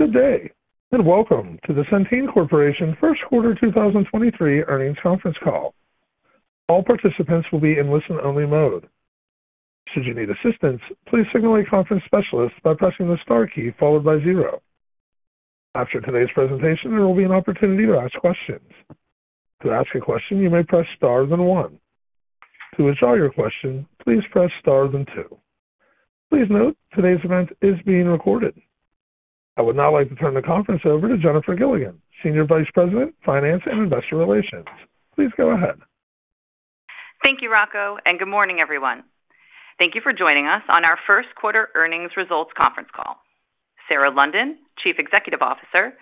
Good day, welcome to the Centene Corporation First Quarter 2023 Earnings Conference Call. All participants will be in listen-only mode. Should you need assistance, please signal a conference specialist by pressing the star key followed by zero. After today's presentation, there will be an opportunity to ask questions. To ask a question, you may press star then one. To withdraw your question, please press star then two. Please note today's event is being recorded. I would now like to turn the conference over to Jennifer Gilligan, Senior Vice President, Finance and Investor Relations. Please go ahead. Thank you, Rocco. Good morning, everyone. Thank you for joining us on our first quarter earnings results conference call. Sarah London, Chief Executive Officer,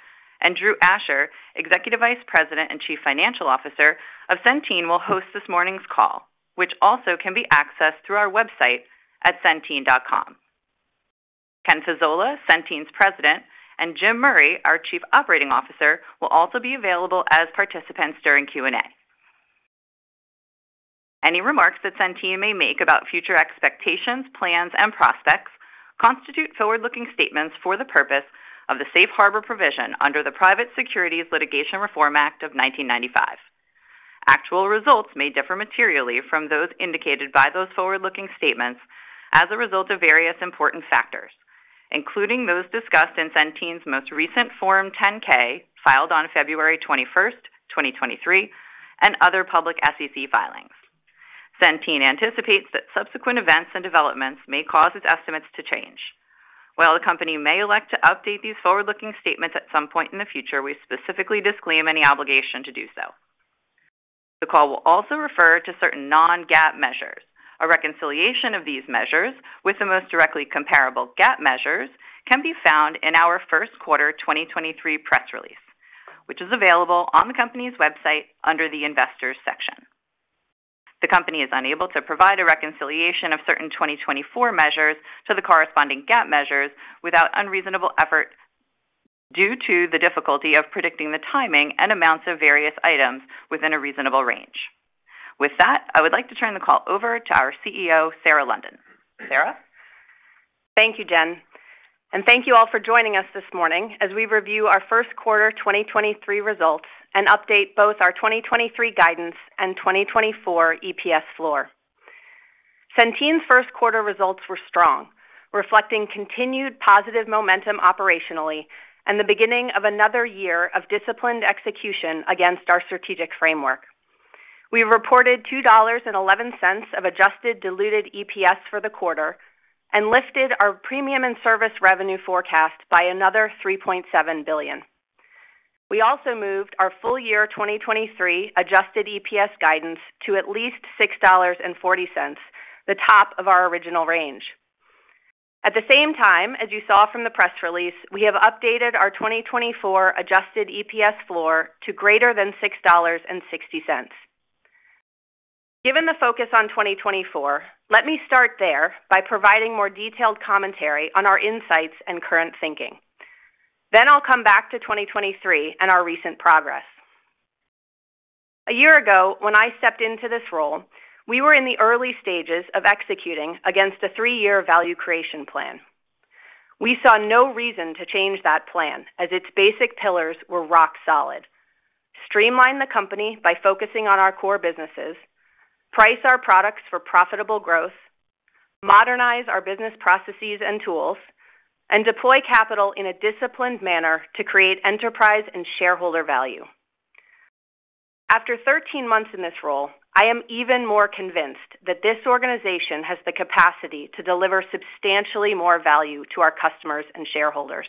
and Drew Asher, Executive Vice President and Chief Financial Officer of Centene, will host this morning's call, which also can be accessed through our website at centene.com. Ken Fasola, Centene's President, and Jim Murray, our Chief Operating Officer, will also be available as participants during Q&A. Any remarks that Centene may make about future expectations, plans, and prospects constitute forward-looking statements for the purpose of the Safe Harbor Provision under the Private Securities Litigation Reform Act of 1995. Actual results may differ materially from those indicated by those forward-looking statements as a result of various important factors, including those discussed in Centene's most recent Form 10-K filed on February 21, 2023, and other public SEC filings. Centene anticipates that subsequent events and developments may cause its estimates to change. While the company may elect to update these forward-looking statements at some point in the future, we specifically disclaim any obligation to do so. The call will also refer to certain non-GAAP measures. A reconciliation of these measures with the most directly comparable GAAP measures can be found in our first quarter 2023 press release, which is available on the company's website under the Investors section. The company is unable to provide a reconciliation of certain 2024 measures to the corresponding GAAP measures without unreasonable effort due to the difficulty of predicting the timing and amounts of various items within a reasonable range. With that, I would like to turn the call over to our CEO, Sarah London. Sarah? Thank you, Jen, Thank you all for joining us this morning as we review our first quarter 2023 results and update both our 2023 guidance and 2024 EPS floor. Centene's first quarter results were strong, reflecting continued positive momentum operationally and the beginning of another year of disciplined execution against our strategic framework. We reported $2.11 of adjusted diluted EPS for the quarter and lifted our premium and service revenue forecast by another $3.7 billion. We also moved our full year 2023 Adjusted EPS guidance to at least $6.40, the top of our original range. At the same time, as you saw from the press release, we have updated our 2024 Adjusted EPS floor to greater than $6.60. Given the focus on 2024, let me start there by providing more detailed commentary on our insights and current thinking. I'll come back to 2023 and our recent progress. A year ago, when I stepped into this role, we were in the early stages of executing against a three-year value creation plan. We saw no reason to change that plan as its basic pillars were rock solid. Streamline the company by focusing on our core businesses, price our products for profitable growth, modernize our business processes and tools, and deploy capital in a disciplined manner to create enterprise and shareholder value. After 13 months in this role, I am even more convinced that this organization has the capacity to deliver substantially more value to our customers and shareholders.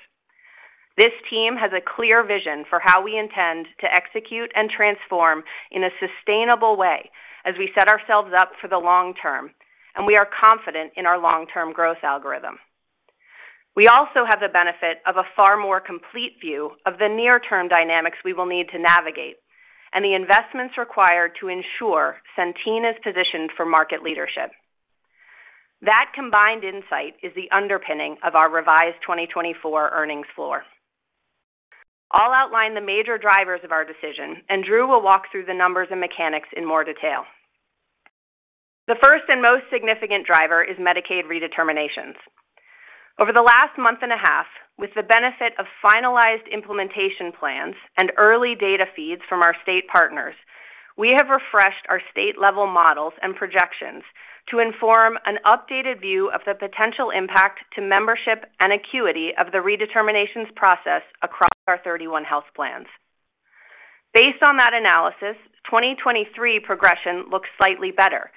This team has a clear vision for how we intend to execute and transform in a sustainable way as we set ourselves up for the long term. We are confident in our long-term growth algorithm. We also have the benefit of a far more complete view of the near-term dynamics we will need to navigate and the investments required to ensure Centene is positioned for market leadership. That combined insight is the underpinning of our revised 2024 earnings floor. I'll outline the major drivers of our decision. Drew will walk through the numbers and mechanics in more detail. The first and most significant driver is Medicaid redeterminations. Over the last month and a half, with the benefit of finalized implementation plans and early data feeds from our state partners, we have refreshed our state-level models and projections to inform an updated view of the potential impact to membership and acuity of the redeterminations process across our 31 health plans. Based on that analysis, 2023 progression looks slightly better,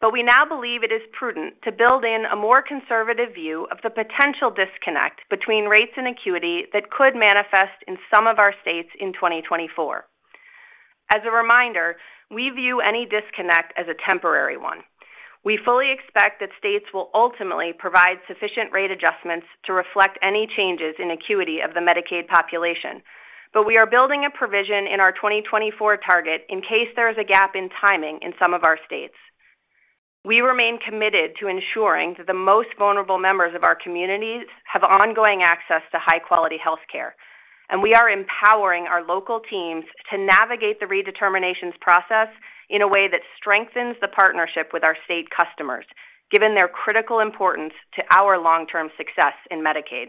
but we now believe it is prudent to build in a more conservative view of the potential disconnect between rates and acuity that could manifest in some of our states in 2024. As a reminder, we view any disconnect as a temporary one. We fully expect that states will ultimately provide sufficient rate adjustments to reflect any changes in acuity of the Medicaid population, but we are building a provision in our 2024 target in case there is a gap in timing in some of our states. We remain committed to ensuring that the most vulnerable members of our communities have ongoing access to high-quality healthcare. We are empowering our local teams to navigate the redeterminations process in a way that strengthens the partnership with our state customers, given their critical importance to our long-term success in Medicaid.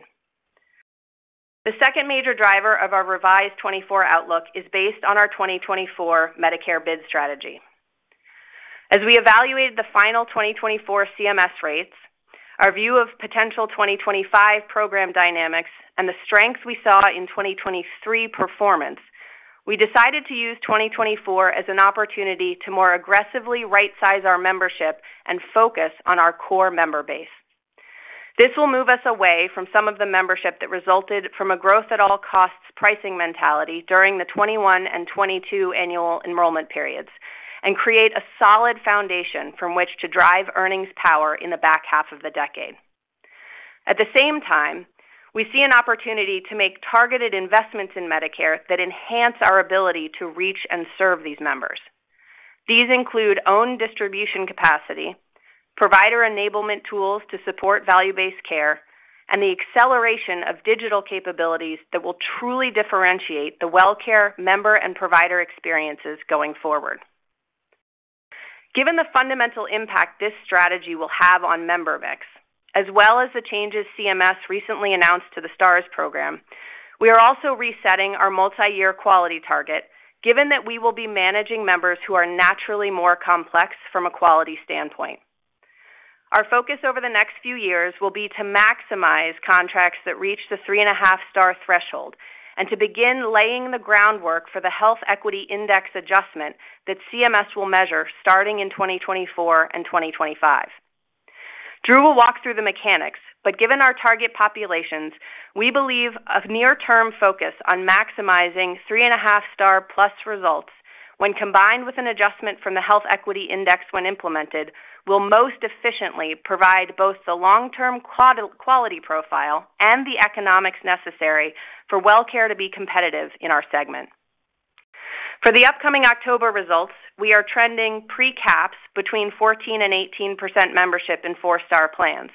The second major driver of our revised 2024 outlook is based on our 2024 Medicare bid strategy. As we evaluated the final 2024 CMS rates, our view of potential 2025 program dynamics, and the strengths we saw in 2023 performance, we decided to use 2024 as an opportunity to more aggressively right-size our membership and focus on our core member base. This will move us away from some of the membership that resulted from a growth at all costs pricing mentality during the 2021 and 2022 annual enrollment periods and create a solid foundation from which to drive earnings power in the back half of the decade. At the same time, we see an opportunity to make targeted investments in Medicare that enhance our ability to reach and serve these members. These include own distribution capacity, provider enablement tools to support value-based care, and the acceleration of digital capabilities that will truly differentiate the Wellcare member and provider experiences going forward. Given the fundamental impact this strategy will have on member mix, as well as the changes CMS recently announced to the Stars program, we are also resetting our multiyear quality target, given that we will be managing members who are naturally more complex from a quality standpoint. Our focus over the next few years will be to maximize contracts that reach the three and a half-star threshold and to begin laying the groundwork for the Health Equity Index adjustment that CMS will measure starting in 2024 and 2025. Drew will walk through the mechanics, given our target populations, we believe a near-term focus on maximizing three and a half-star plus results when combined with an adjustment from the Health Equity Index when implemented, will most efficiently provide both the long-term quality profile and the economics necessary for WellCare to be competitive in our segment. For the upcoming October results, we are trending pre-caps between 14% and 18% membership in four-star plans.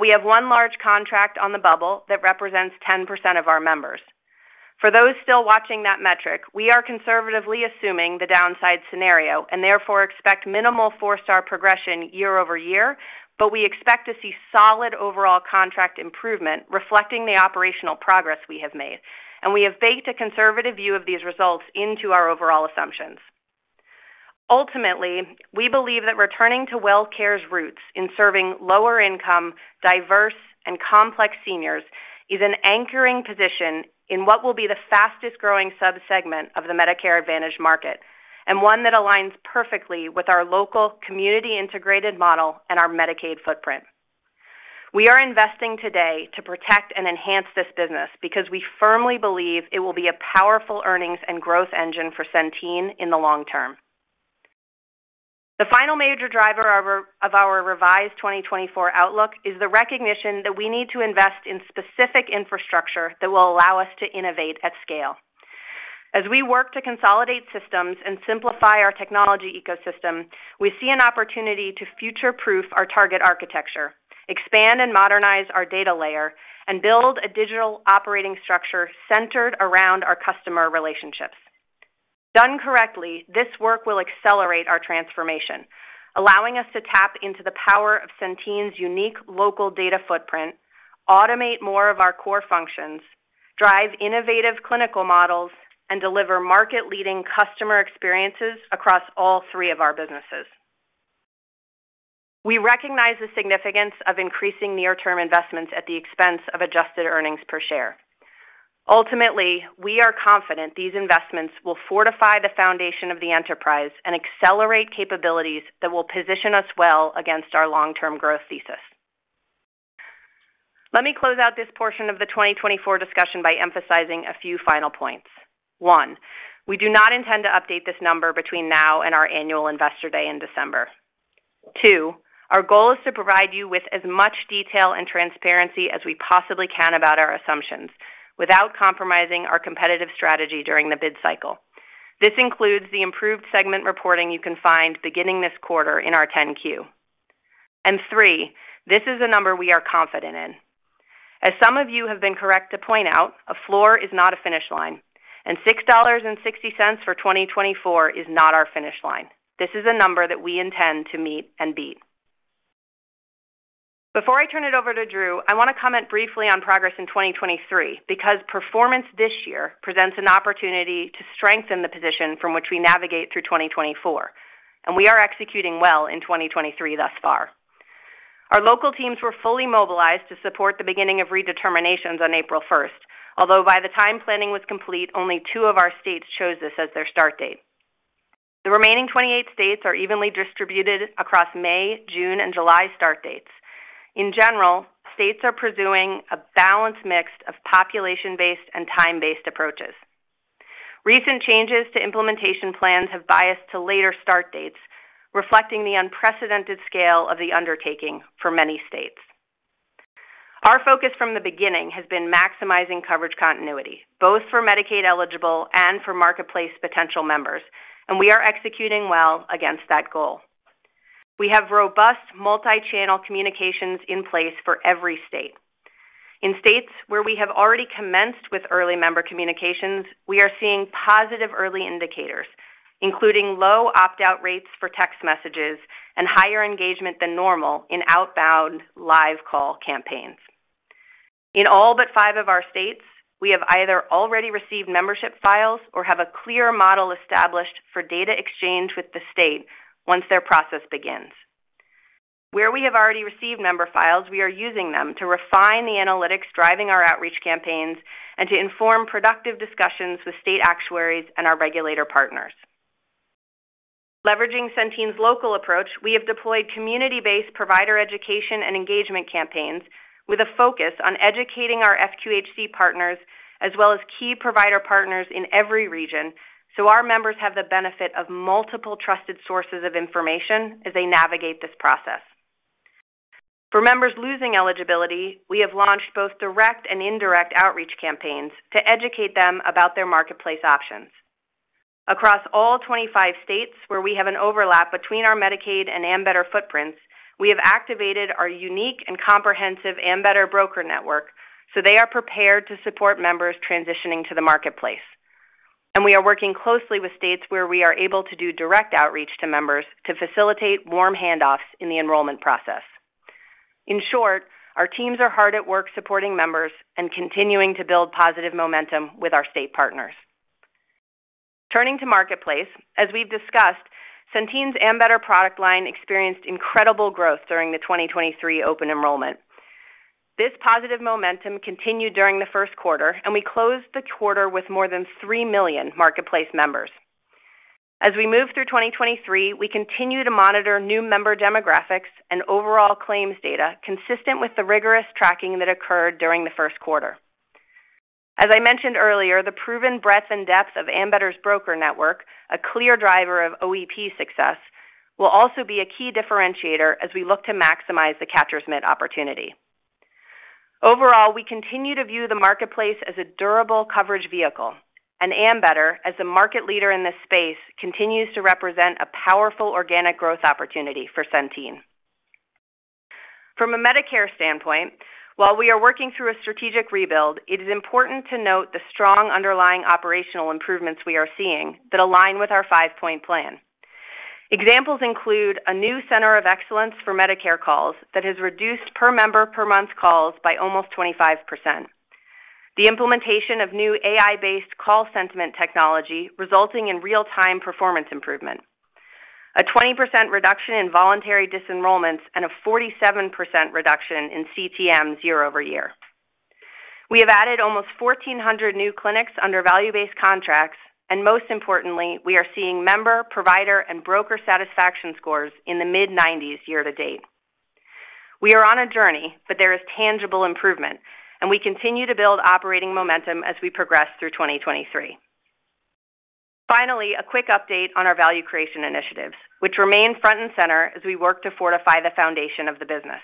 We have one large contract on the bubble that represents 10% of our members. For those still watching that metric, we are conservatively assuming the downside scenario and therefore expect minimal four-star progression year-over-year. We expect to see solid overall contract improvement reflecting the operational progress we have made. We have baked a conservative view of these results into our overall assumptions. Ultimately, we believe that returning to WellCare's roots in serving lower income, diverse, and complex seniors is an anchoring position in what will be the fastest-growing subsegment of the Medicare Advantage market, one that aligns perfectly with our local community integrated model and our Medicaid footprint. We are investing today to protect and enhance this business because we firmly believe it will be a powerful earnings and growth engine for Centene in the long term. The final major driver of our, of our revised 2024 outlook is the recognition that we need to invest in specific infrastructure that will allow us to innovate at scale. As we work to consolidate systems and simplify our technology ecosystem, we see an opportunity to future-proof our target architecture, expand and modernize our data layer, and build a digital operating structure centered around our customer relationships. Done correctly, this work will accelerate our transformation, allowing us to tap into the power of Centene's unique local data footprint, automate more of our core functions, drive innovative clinical models, and deliver market-leading customer experiences across all three of our businesses. We recognize the significance of increasing near-term investments at the expense of adjusted earnings per share. Ultimately, we are confident these investments will fortify the foundation of the enterprise and accelerate capabilities that will position us well against our long-term growth thesis. Let me close out this portion of the 2024 discussion by emphasizing a few final points. One, we do not intend to update this number between now and our annual Investor Day in December. Two, our goal is to provide you with as much detail and transparency as we possibly can about our assumptions without compromising our competitive strategy during the bid cycle. This includes the improved segment reporting you can find beginning this quarter in our 10-Q. 3, this is a number we are confident in. As some of you have been correct to point out, a floor is not a finish line, and $6.60 for 2024 is not our finish line. This is a number that we intend to meet and beat. Before I turn it over to Drew, I want to comment briefly on progress in 2023, because performance this year presents an opportunity to strengthen the position from which we navigate through 2024, and we are executing well in 2023 thus far. Our local teams were fully mobilized to support the beginning of redeterminations on April 1, although by the time planning was complete, only two of our states chose this as their start date. The remaining 28 states are evenly distributed across May, June, and July start dates. In general, states are pursuing a balanced mix of population-based and time-based approaches. Recent changes to implementation plans have biased to later start dates, reflecting the unprecedented scale of the undertaking for many states. Our focus from the beginning has been maximizing coverage continuity, both for Medicaid eligible and for Marketplace potential members, and we are executing well against that goal. We have robust multi-channel communications in place for every state. In states where we have already commenced with early member communications, we are seeing positive early indicators, including low opt-out rates for text messages and higher engagement than normal in outbound live call campaigns. In all but five of our states, we have either already received membership files or have a clear model established for data exchange with the state once their process begins. Where we have already received member files, we are using them to refine the analytics driving our outreach campaigns and to inform productive discussions with state actuaries and our regulator partners. Leveraging Centene's local approach, we have deployed community-based provider education and engagement campaigns with a focus on educating our FQHC partners as well as key provider partners in every region, so our members have the benefit of multiple trusted sources of information as they navigate this process. For members losing eligibility, we have launched both direct and indirect outreach campaigns to educate them about their marketplace options. Across all 25 states where we have an overlap between our Medicaid and Ambetter footprints, we have activated our unique and comprehensive Ambetter broker network, so they are prepared to support members transitioning to the marketplace. We are working closely with states where we are able to do direct outreach to members to facilitate warm handoffs in the enrollment process. In short, our teams are hard at work supporting members and continuing to build positive momentum with our state partners. Turning to Marketplace, as we've discussed, Centene's Ambetter product line experienced incredible growth during the 2023 open enrollment. This positive momentum continued during the first quarter, and we closed the quarter with more than 3 million Marketplace members. As we move through 2023, we continue to monitor new member demographics and overall claims data consistent with the rigorous tracking that occurred during the first quarter. As I mentioned earlier, the proven breadth and depth of Ambetter's broker network, a clear driver of OEP success, will also be a key differentiator as we look to maximize the catcher's mitt opportunity. Overall, we continue to view the marketplace as a durable coverage vehicle, and Ambetter, as the market leader in this space, continues to represent a powerful organic growth opportunity for Centene. From a Medicare standpoint, while we are working through a strategic rebuild, it is important to note the strong underlying operational improvements we are seeing that align with our five-point plan. Examples include a new center of excellence for Medicare calls that has reduced per member per month calls by almost 25%. The implementation of new AI-based call sentiment technology resulting in real-time performance improvement. A 20% reduction in voluntary disenrollments, and a 47% reduction in CTMs year-over-year. We have added almost 1,400 new clinics under value-based contracts, and most importantly, we are seeing member, provider, and broker satisfaction scores in the mid-nineties year to date. We are on a journey, there is tangible improvement. We continue to build operating momentum as we progress through 2023. Finally, a quick update on our value creation initiatives, which remain front and center as we work to fortify the foundation of the business.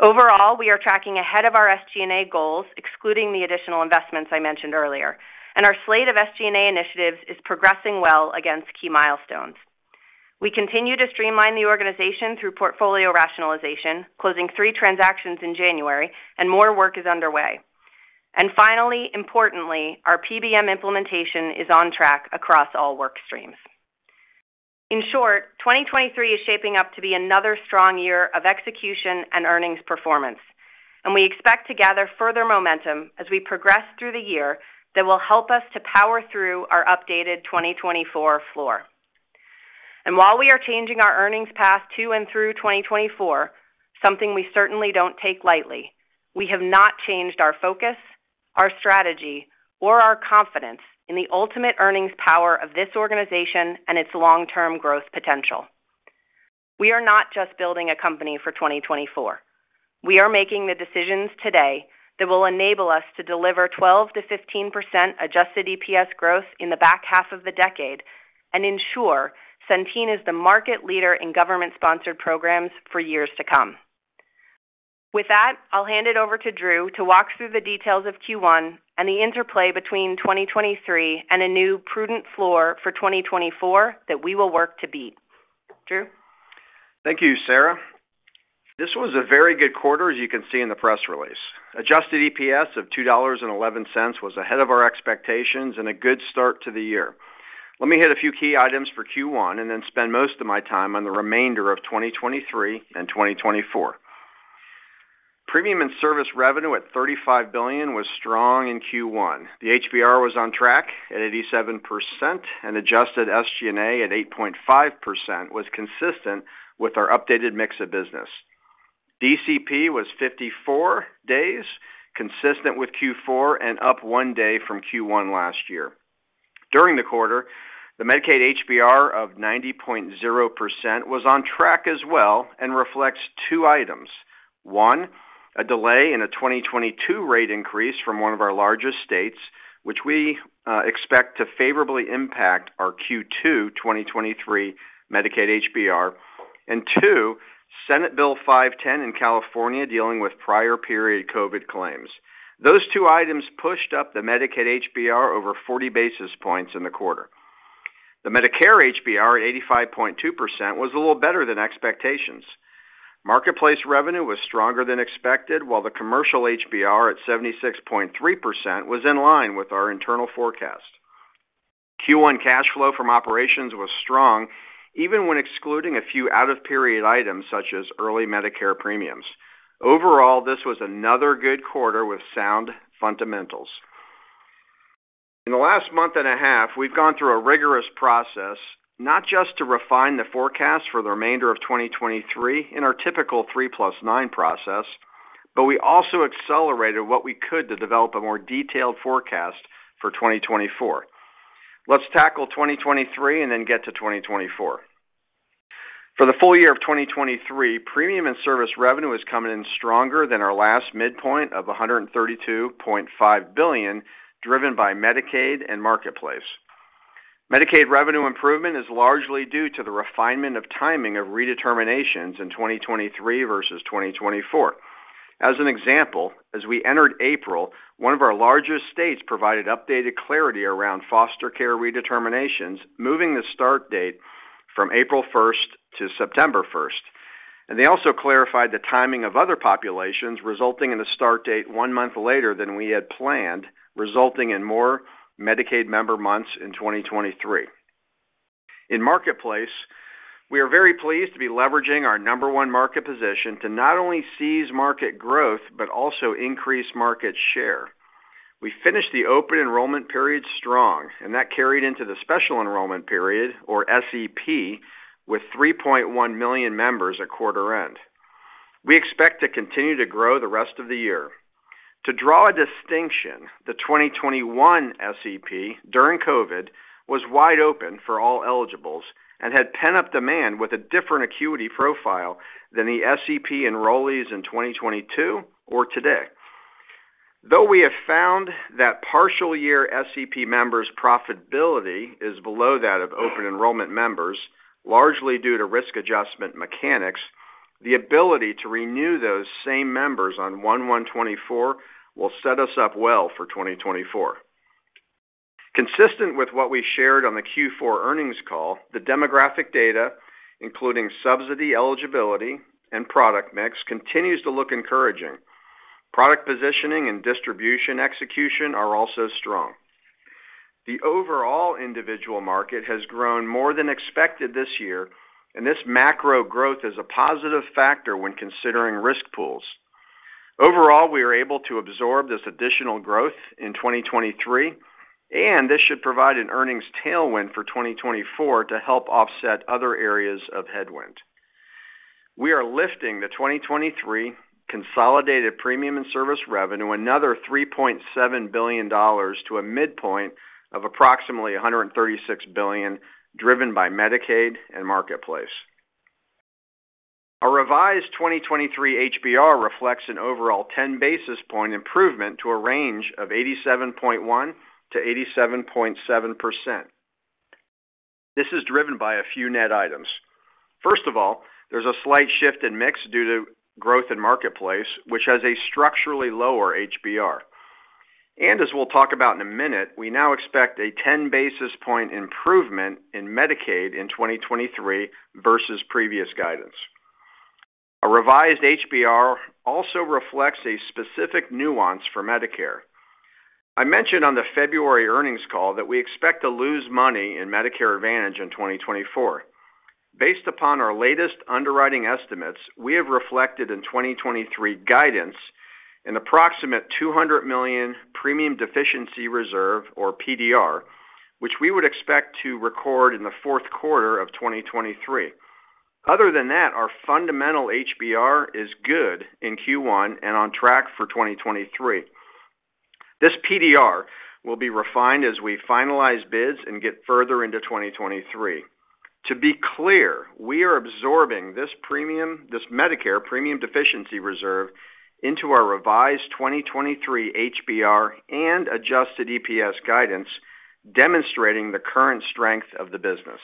Overall, we are tracking ahead of our SG&A goals, excluding the additional investments I mentioned earlier. Our slate of SG&A initiatives is progressing well against key milestones. We continue to streamline the organization through portfolio rationalization, closing three transactions in January. More work is underway. Finally, importantly, our PBM implementation is on track across all work streams. In short, 2023 is shaping up to be another strong year of execution and earnings performance. We expect to gather further momentum as we progress through the year that will help us to power through our updated 2024 floor. While we are changing our earnings path to and through 2024, something we certainly don't take lightly, we have not changed our focus, our strategy, or our confidence in the ultimate earnings power of this organization and its long-term growth potential. We are not just building a company for 2024. We are making the decisions today that will enable us to deliver 12%-15% Adjusted EPS growth in the back half of the decade and ensure Centene is the market leader in government-sponsored programs for years to come. With that, I'll hand it over to Drew to walk through the details of Q1 and the interplay between 2023 and a new prudent floor for 2024 that we will work to beat. Drew? Thank you, Sarah. This was a very good quarter, as you can see in the press release. Adjusted EPS of $2.11 was ahead of our expectations and a good start to the year. Let me hit a few key items for Q1 and then spend most of my time on the remainder of 2023 and 2024. Premium and service revenue at $35 billion was strong in Q1. The HBR was on track at 87% and adjusted SG&A at 8.5% was consistent with our updated mix of business. DCP was 54 days, consistent with Q4 and up 1 day from Q1 last year. During the quarter, the Medicaid HBR of 90.0% was on track as well and reflects two items. One, a delay in a 2022 rate increase from one of our largest states, which we expect to favorably impact our Q2 2023 Medicaid HBR. Two-Senate Bill 510 in California dealing with prior period COVID claims. Those two items pushed up the Medicaid HBR over 40 basis points in the quarter. The Medicare HBR, 85.2%, was a little better than expectations. Marketplace revenue was stronger than expected, while the commercial HBR at 76.3% was in line with our internal forecast. Q1 cash flow from operations was strong even when excluding a few out of period items such as early Medicare premiums. Overall, this was another good quarter with sound fundamentals. In the last month and a half, we've gone through a rigorous process, not just to refine the forecast for the remainder of 2023 in our typical three plus nine process. We also accelerated what we could to develop a more detailed forecast for 2024. Let's tackle 2023 and then get to 2024. For the full year of 2023, premium and service revenue is coming in stronger than our last midpoint of $132.5 billion, driven by Medicaid and Marketplace. Medicaid revenue improvement is largely due to the refinement of timing of redeterminations in 2023 versus 2024. As an example, as we entered April, one of our largest states provided updated clarity around foster care redeterminations, moving the start date from April 1st to September 1st. They also clarified the timing of other populations, resulting in a start date one month later than we had planned, resulting in more Medicaid member months in 2023. In Marketplace, we are very pleased to be leveraging our number one market position to not only seize market growth, but also increase market share. We finished the open enrollment period strong, and that carried into the special enrollment period, or SEP, with 3.1 million members at quarter end. We expect to continue to grow the rest of the year. To draw a distinction, the 2021 SEP during COVID was wide open for all eligibles and had pent-up demand with a different acuity profile than the SEP enrollees in 2022 or today. Though we have found that partial year SEP members' profitability is below that of open enrollment members, largely due to risk adjustment mechanics, the ability to renew those same members on 1/1/2024 will set us up well for 2024. Consistent with what we shared on the Q4 earnings call, the demographic data, including subsidy eligibility and product mix, continues to look encouraging. Product positioning and distribution execution are also strong. The overall individual market has grown more than expected this year, and this macro growth is a positive factor when considering risk pools. Overall, we are able to absorb this additional growth in 2023, and this should provide an earnings tailwind for 2024 to help offset other areas of headwind. We are lifting the 2023 consolidated premium and service revenue another $3.7 billion to a midpoint of approximately $136 billion, driven by Medicaid and Marketplace. A revised 2023 HBR reflects an overall 10 basis point improvement to a range of 87.1%-87.7%. This is driven by a few net items. First of all, there's a slight shift in mix due to growth in Marketplace, which has a structurally lower HBR. As we'll talk about in a minute, we now expect a 10 basis point improvement in Medicaid in 2023 versus previous guidance. A revised HBR also reflects a specific nuance for Medicare. I mentioned on the February earnings call that we expect to lose money in Medicare Advantage in 2024. Based upon our latest underwriting estimates, we have reflected in 2023 guidance an approximate $200 million premium deficiency reserve, or PDR, which we would expect to record in the fourth quarter of 2023. Other than that, our fundamental HBR is good in Q1 and on track for 2023. This PDR will be refined as we finalize bids and get further into 2023. To be clear, we are absorbing this premium, this Medicare premium deficiency reserve into our revised 2023 HBR and Adjusted EPS guidance, demonstrating the current strength of the business.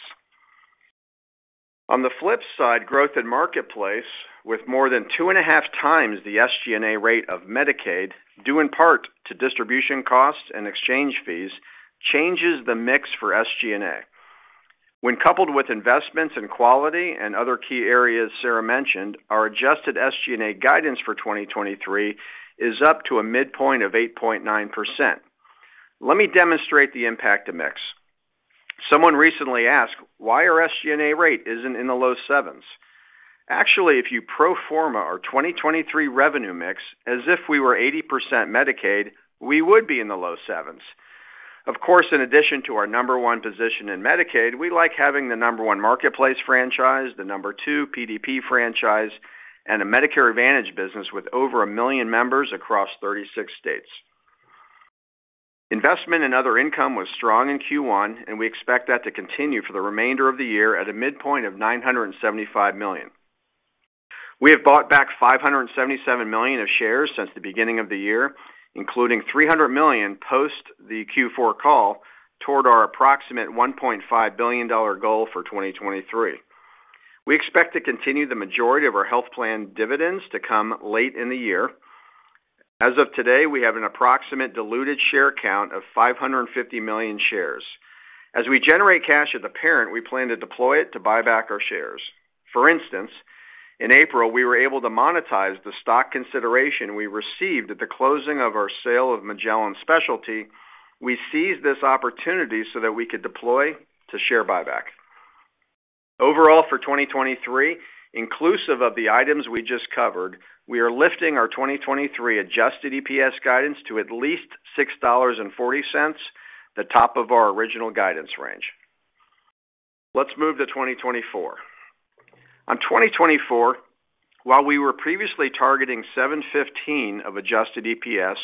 On the flip side, growth in Marketplace with more than 2.5x the SG&A rate of Medicaid, due in part to distribution costs and exchange fees, changes the mix for SG&A. When coupled with investments in quality and other key areas Sarah mentioned, our adjusted SG&A guidance for 2023 is up to a midpoint of 8.9%. Let me demonstrate the impact of mix. Someone recently asked why our SG&A rate isn't in the low sevens. Actually, if you pro forma our 2023 revenue mix as if we were 80% Medicaid, we would be in the low sevens. Of course, in addition to our number one position in Medicaid, we like having the number one Marketplace franchise, the number two PDP franchise, and a Medicare Advantage business with over 1 million members across 36 states. Investment and other income was strong in Q1, and we expect that to continue for the remainder of the year at a midpoint of $975 million. We have bought back $577 million of shares since the beginning of the year, including $300 million post the Q4 call. Toward our approximate $1.5 billion goal for 2023. We expect to continue the majority of our health plan dividends to come late in the year. As of today, we have an approximate diluted share count of 550 million shares. As we generate cash at the parent, we plan to deploy it to buy back our shares. For instance, in April, we were able to monetize the stock consideration we received at the closing of our sale of Magellan Specialty. We seized this opportunity so that we could deploy to share buyback. Overall for 2023, inclusive of the items we just covered, we are lifting our 2023 adjusted EPS guidance to at least $6.40, the top of our original guidance range. Let's move to 2024. On 2024, while we were previously targeting $7.15 of Adjusted EPS,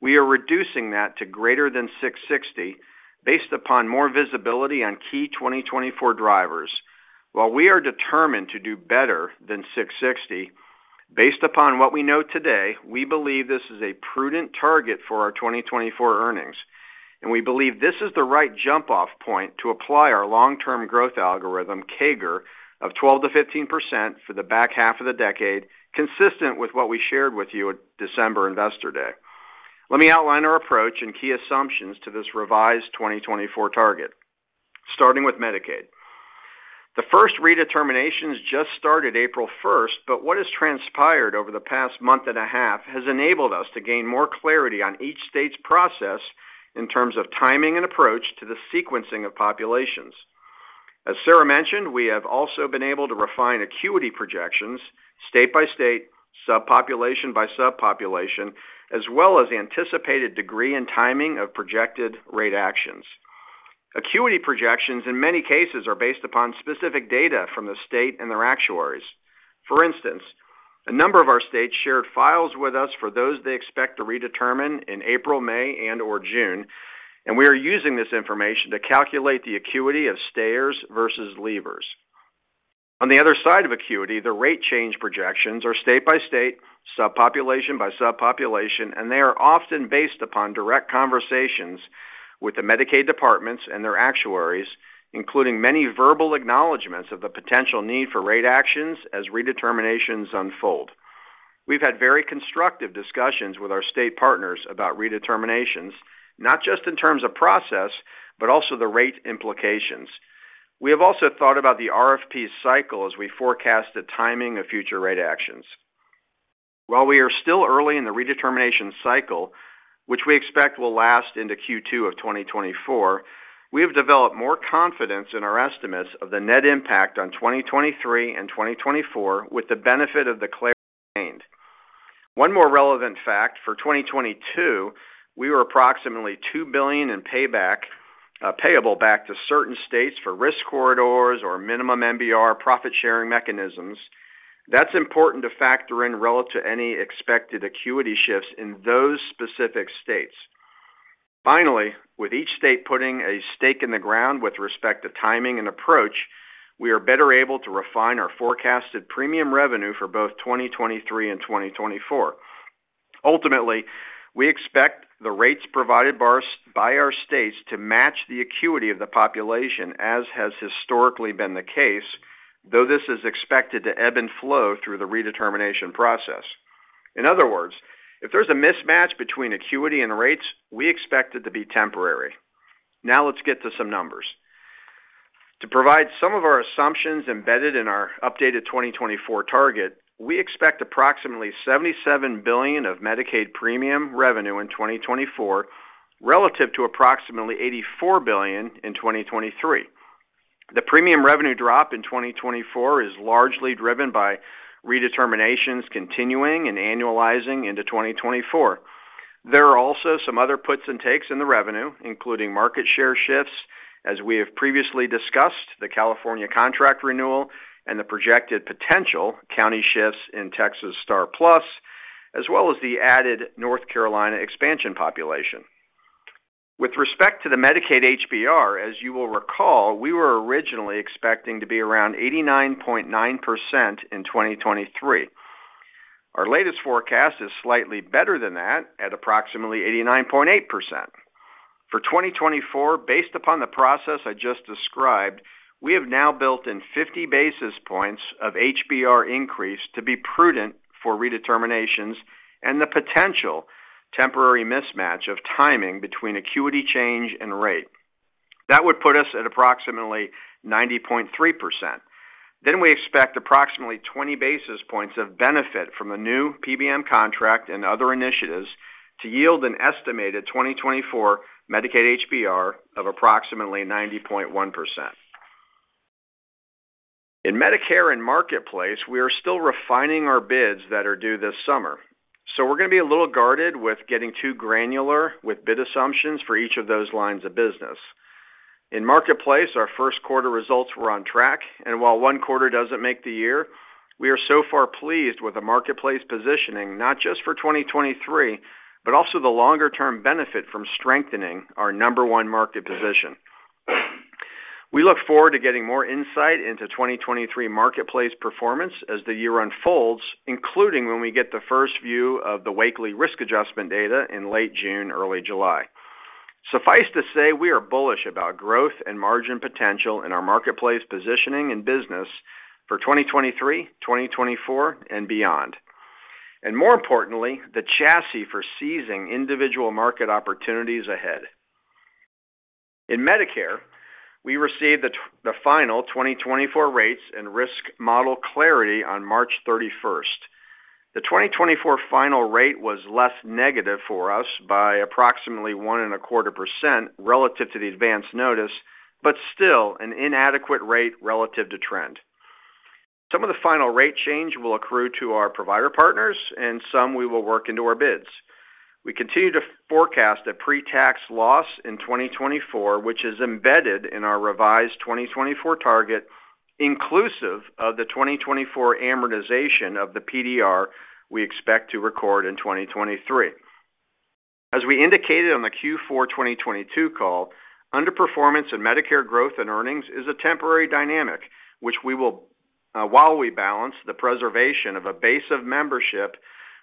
we are reducing that to greater than $6.60 based upon more visibility on key 2024 drivers. While we are determined to do better than $6.60, based upon what we know today, we believe this is a prudent target for our 2024 earnings, and we believe this is the right jump off point to apply our long-term growth algorithm, CAGR, of 12%-15% for the back half of the decade, consistent with what we shared with you at December Investor Day. Let me outline our approach and key assumptions to this revised 2024 target, starting with Medicaid. The first redeterminations just started April 1st, but what has transpired over the past month and a half has enabled us to gain more clarity on each state's process in terms of timing and approach to the sequencing of populations. As Sarah mentioned, we have also been able to refine acuity projections state by state, subpopulation by subpopulation, as well as the anticipated degree and timing of projected rate actions. Acuity projections, in many cases, are based upon specific data from the state and their actuaries. For instance, a number of our states shared files with us for those they expect to redetermine in April, May, and/or June, and we are using this information to calculate the acuity of stayers versus leavers. On the other side of acuity, the rate change projections are state by state, subpopulation by subpopulation, and they are often based upon direct conversations with the Medicaid departments and their actuaries, including many verbal acknowledgments of the potential need for rate actions as redeterminations unfold. We've had very constructive discussions with our state partners about redeterminations, not just in terms of process, but also the rate implications. We have also thought about the RFP cycle as we forecast the timing of future rate actions. While we are still early in the redetermination cycle, which we expect will last into Q2 of 2024, we have developed more confidence in our estimates of the net impact on 2023 and 2024 with the benefit of the clarity gained. One more relevant fact, for 2022, we were approximately $2 billion in payback, payable back to certain states for risk corridors or minimum MBR profit-sharing mechanisms. That's important to factor in relative to any expected acuity shifts in those specific states. With each state putting a stake in the ground with respect to timing and approach, we are better able to refine our forecasted premium revenue for both 2023 and 2024. We expect the rates provided by our states to match the acuity of the population as has historically been the case, though this is expected to ebb and flow through the redetermination process. In other words, if there's a mismatch between acuity and rates, we expect it to be temporary. Let's get to some numbers. To provide some of our assumptions embedded in our updated 2024 target, we expect approximately $77 billion of Medicaid premium revenue in 2024, relative to approximately $84 billion in 2023. The premium revenue drop in 2024 is largely driven by redeterminations continuing and annualizing into 2024. There are also some other puts and takes in the revenue, including market share shifts, as we have previously discussed, the California contract renewal and the projected potential county shifts in Texas STAR+PLUS, as well as the added North Carolina expansion population. With respect to the Medicaid HBR, as you will recall, we were originally expecting to be around 89.9% in 2023. Our latest forecast is slightly better than that at approximately 89.8%. For 2024, based upon the process I just described, we have now built in 50 basis points of HBR increase to be prudent for redeterminations and the potential temporary mismatch of timing between acuity change and rate. That would put us at approximately 90.3%. We expect approximately 20 basis points of benefit from a new PBM contract and other initiatives to yield an estimated 2024 Medicaid HBR of approximately 90.1%. In Medicare and Marketplace, we are still refining our bids that are due this summer, we're gonna be a little guarded with getting too granular with bid assumptions for each of those lines of business. In Marketplace, our first quarter results were on track, and while one quarter doesn't make the year, we are so far pleased with the Marketplace positioning, not just for 2023, but also the longer term benefit from strengthening our number one market position. We look forward to getting more insight into 2023 Marketplace performance as the year unfolds, including when we get the first view of the Wakely risk adjustment data in late June, early July. Suffice to say, we are bullish about growth and margin potential in our Marketplace positioning and business for 2023, 2024 and beyond, and more importantly, the chassis for seizing individual market opportunities ahead. In Medicare, we received the final 2024 rates and risk model clarity on March 31st. The 2024 final rate was less negative for us by approximately 1.25% relative to the advanced notice. Still an inadequate rate relative to trend. Some of the final rate change will accrue to our provider partners and some we will work into our bids. We continue to forecast a pre-tax loss in 2024, which is embedded in our revised 2024 target, inclusive of the 2024 amortization of the PDR we expect to record in 2023. As we indicated on the Q4 2022 call, underperformance in Medicare growth and earnings is a temporary dynamic, which we will while we balance the preservation of a base of membership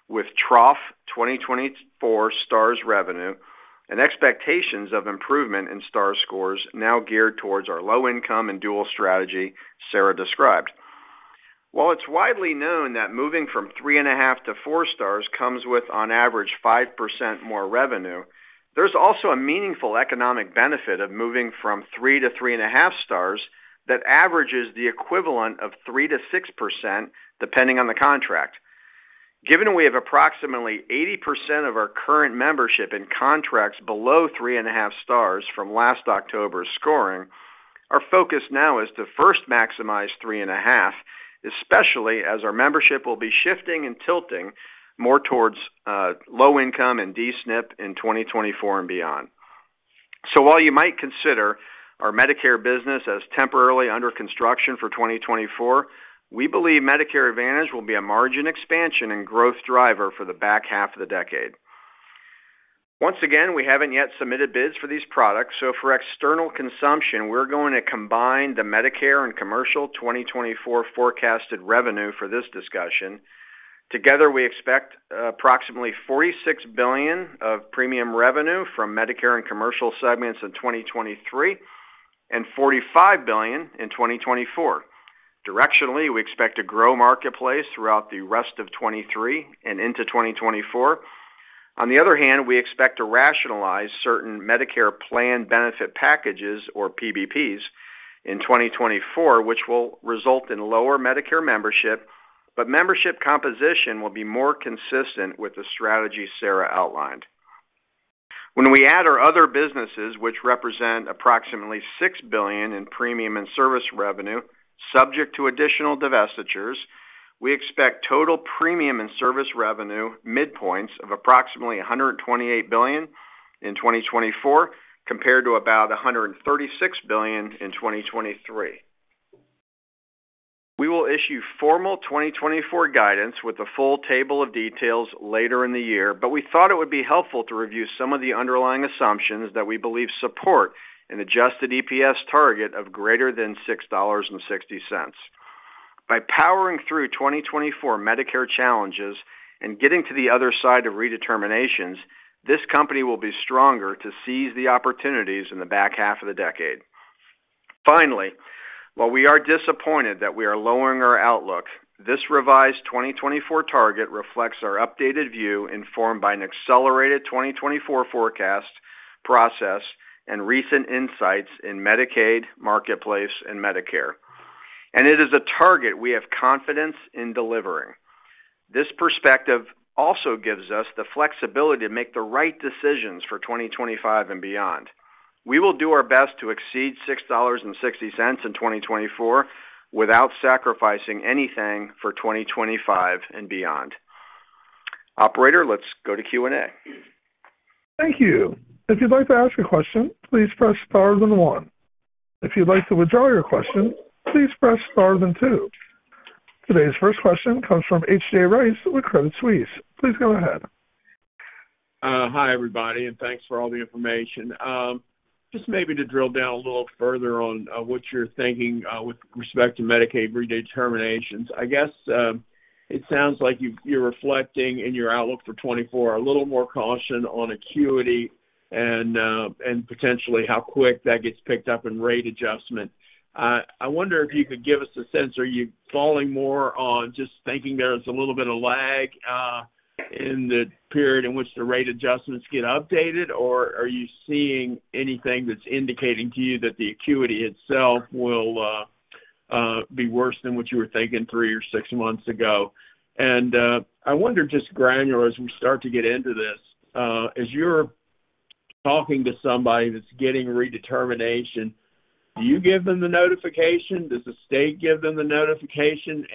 with trough 2024 Stars revenue and expectations of improvement in Star scores now geared towards our low income and dual strategy Sarah described. While it's widely known that moving from three and a half to four stars comes with on average 5% more revenue, there's also a meaningful economic benefit of moving from three to three and a half stars that averages the equivalent of 3%-6%, depending on the contract. Given we have approximately 80% of our current membership in contracts below three and a half stars from last October's scoring, our focus now is to first maximize three and a half, especially as our membership will be shifting and tilting more towards low income and D-SNP in 2024 and beyond. While you might consider our Medicare business as temporarily under construction for 2024, we believe Medicare Advantage will be a margin expansion and growth driver for the back half of the decade. Once again, we haven't yet submitted bids for these products, so for external consumption, we're going to combine the Medicare and Commercial 2024 forecasted revenue for this discussion. Together, we expect approximately $46 billion of premium revenue from Medicare and commercial segments in 2023, and $45 billion in 2024. Directionally, we expect to grow Marketplace throughout the rest of 2023 and into 2024. On the other hand, we expect to rationalize certain Medicare Plan Benefit Packages, or PBPs, in 2024, which will result in lower Medicare membership, but membership composition will be more consistent with the strategy Sarah outlined. When we add our other businesses, which represent approximately $6 billion in premium and service revenue subject to additional divestitures, we expect total premium and service revenue midpoints of approximately $128 billion in 2024, compared to about $136 billion in 2023. We will issue formal 2024 guidance with a full table of details later in the year, we thought it would be helpful to review some of the underlying assumptions that we believe support an adjusted EPS target of greater than $6.60. By powering through 2024 Medicare challenges and getting to the other side of redeterminations, this company will be stronger to seize the opportunities in the back half of the decade. While we are disappointed that we are lowering our outlook, this revised 2024 target reflects our updated view, informed by an accelerated 2024 forecast process and recent insights in Medicaid, marketplace, and Medicare. It is a target we have confidence in delivering. This perspective also gives us the flexibility to make the right decisions for 2025 and beyond. We will do our best to exceed $6.60 in 2024 without sacrificing anything for 2025 and beyond. Operator, let's go to Q&A. Thank you. If you'd like to ask a question, please press star then one. If you'd like to withdraw your question, please press star then two. Today's first question comes from A.J. Rice with Credit Suisse. Please go ahead. Hi, everybody, and thanks for all the information. Just maybe to drill down a little further on what you're thinking with respect to Medicaid redeterminations. I guess, it sounds like you're reflecting in your outlook for 2024 a little more caution on acuity and potentially how quick that gets picked up in rate adjustment. I wonder if you could give us a sense, are you falling more on just thinking there's a little bit of lag in the period in which the rate adjustments get updated, or are you seeing anything that's indicating to you that the acuity itself will be worse than what you were thinking three or six months ago? I wonder just granular as we start to get into this, as you're talking to somebody that's getting redetermination, do you give them the notification? Does the state give them the notification?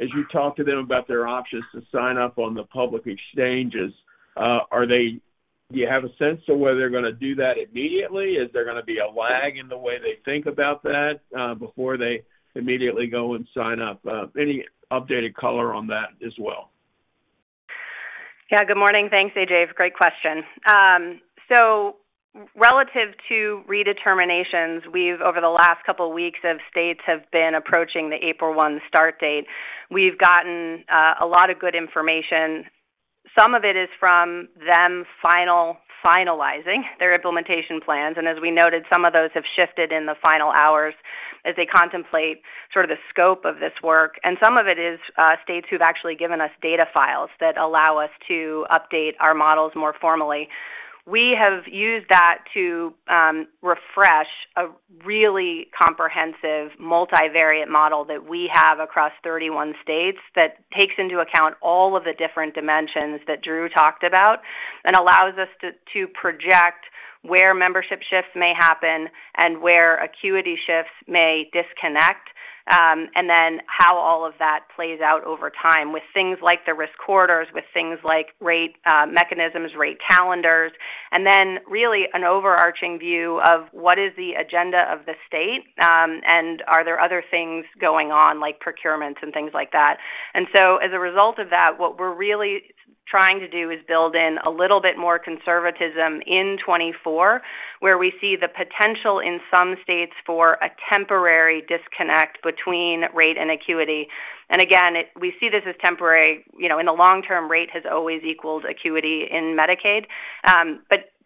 As you talk to them about their options to sign up on the public exchanges, do you have a sense of whether they're gonna do that immediately? Is there gonna be a lag in the way they think about that, before they immediately go and sign up? Any updated color on that as well? Yeah, good morning. Thanks, AJ. Great question. Relative to redeterminations, we've, over the last couple weeks of states have been approaching the April 1 start date, we've gotten a lot of good information. Some of it is from them final-finalizing their implementation plans. As we noted, some of those have shifted in the final hours as they contemplate sort of the scope of this work. Some of it is states who've actually given us data files that allow us to update our models more formally. We have used that to refresh a really comprehensive multivariate model that we have across 31 states that takes into account all of the different dimensions that Drew talked about and allows us to project where membership shifts may happen and where acuity shifts may disconnect, and then how all of that plays out over time with things like the risk corridors, with things like rate mechanisms, rate calendars, and then really an overarching view of what is the agenda of the state, and are there other things going on, like procurements and things like that. As a result of that, what we're really trying to do is build in a little bit more conservatism in 2024, where we see the potential in some states for a temporary disconnect between rate and acuity. We see this as temporary. You know, in the long term, rate has always equaled acuity in Medicaid.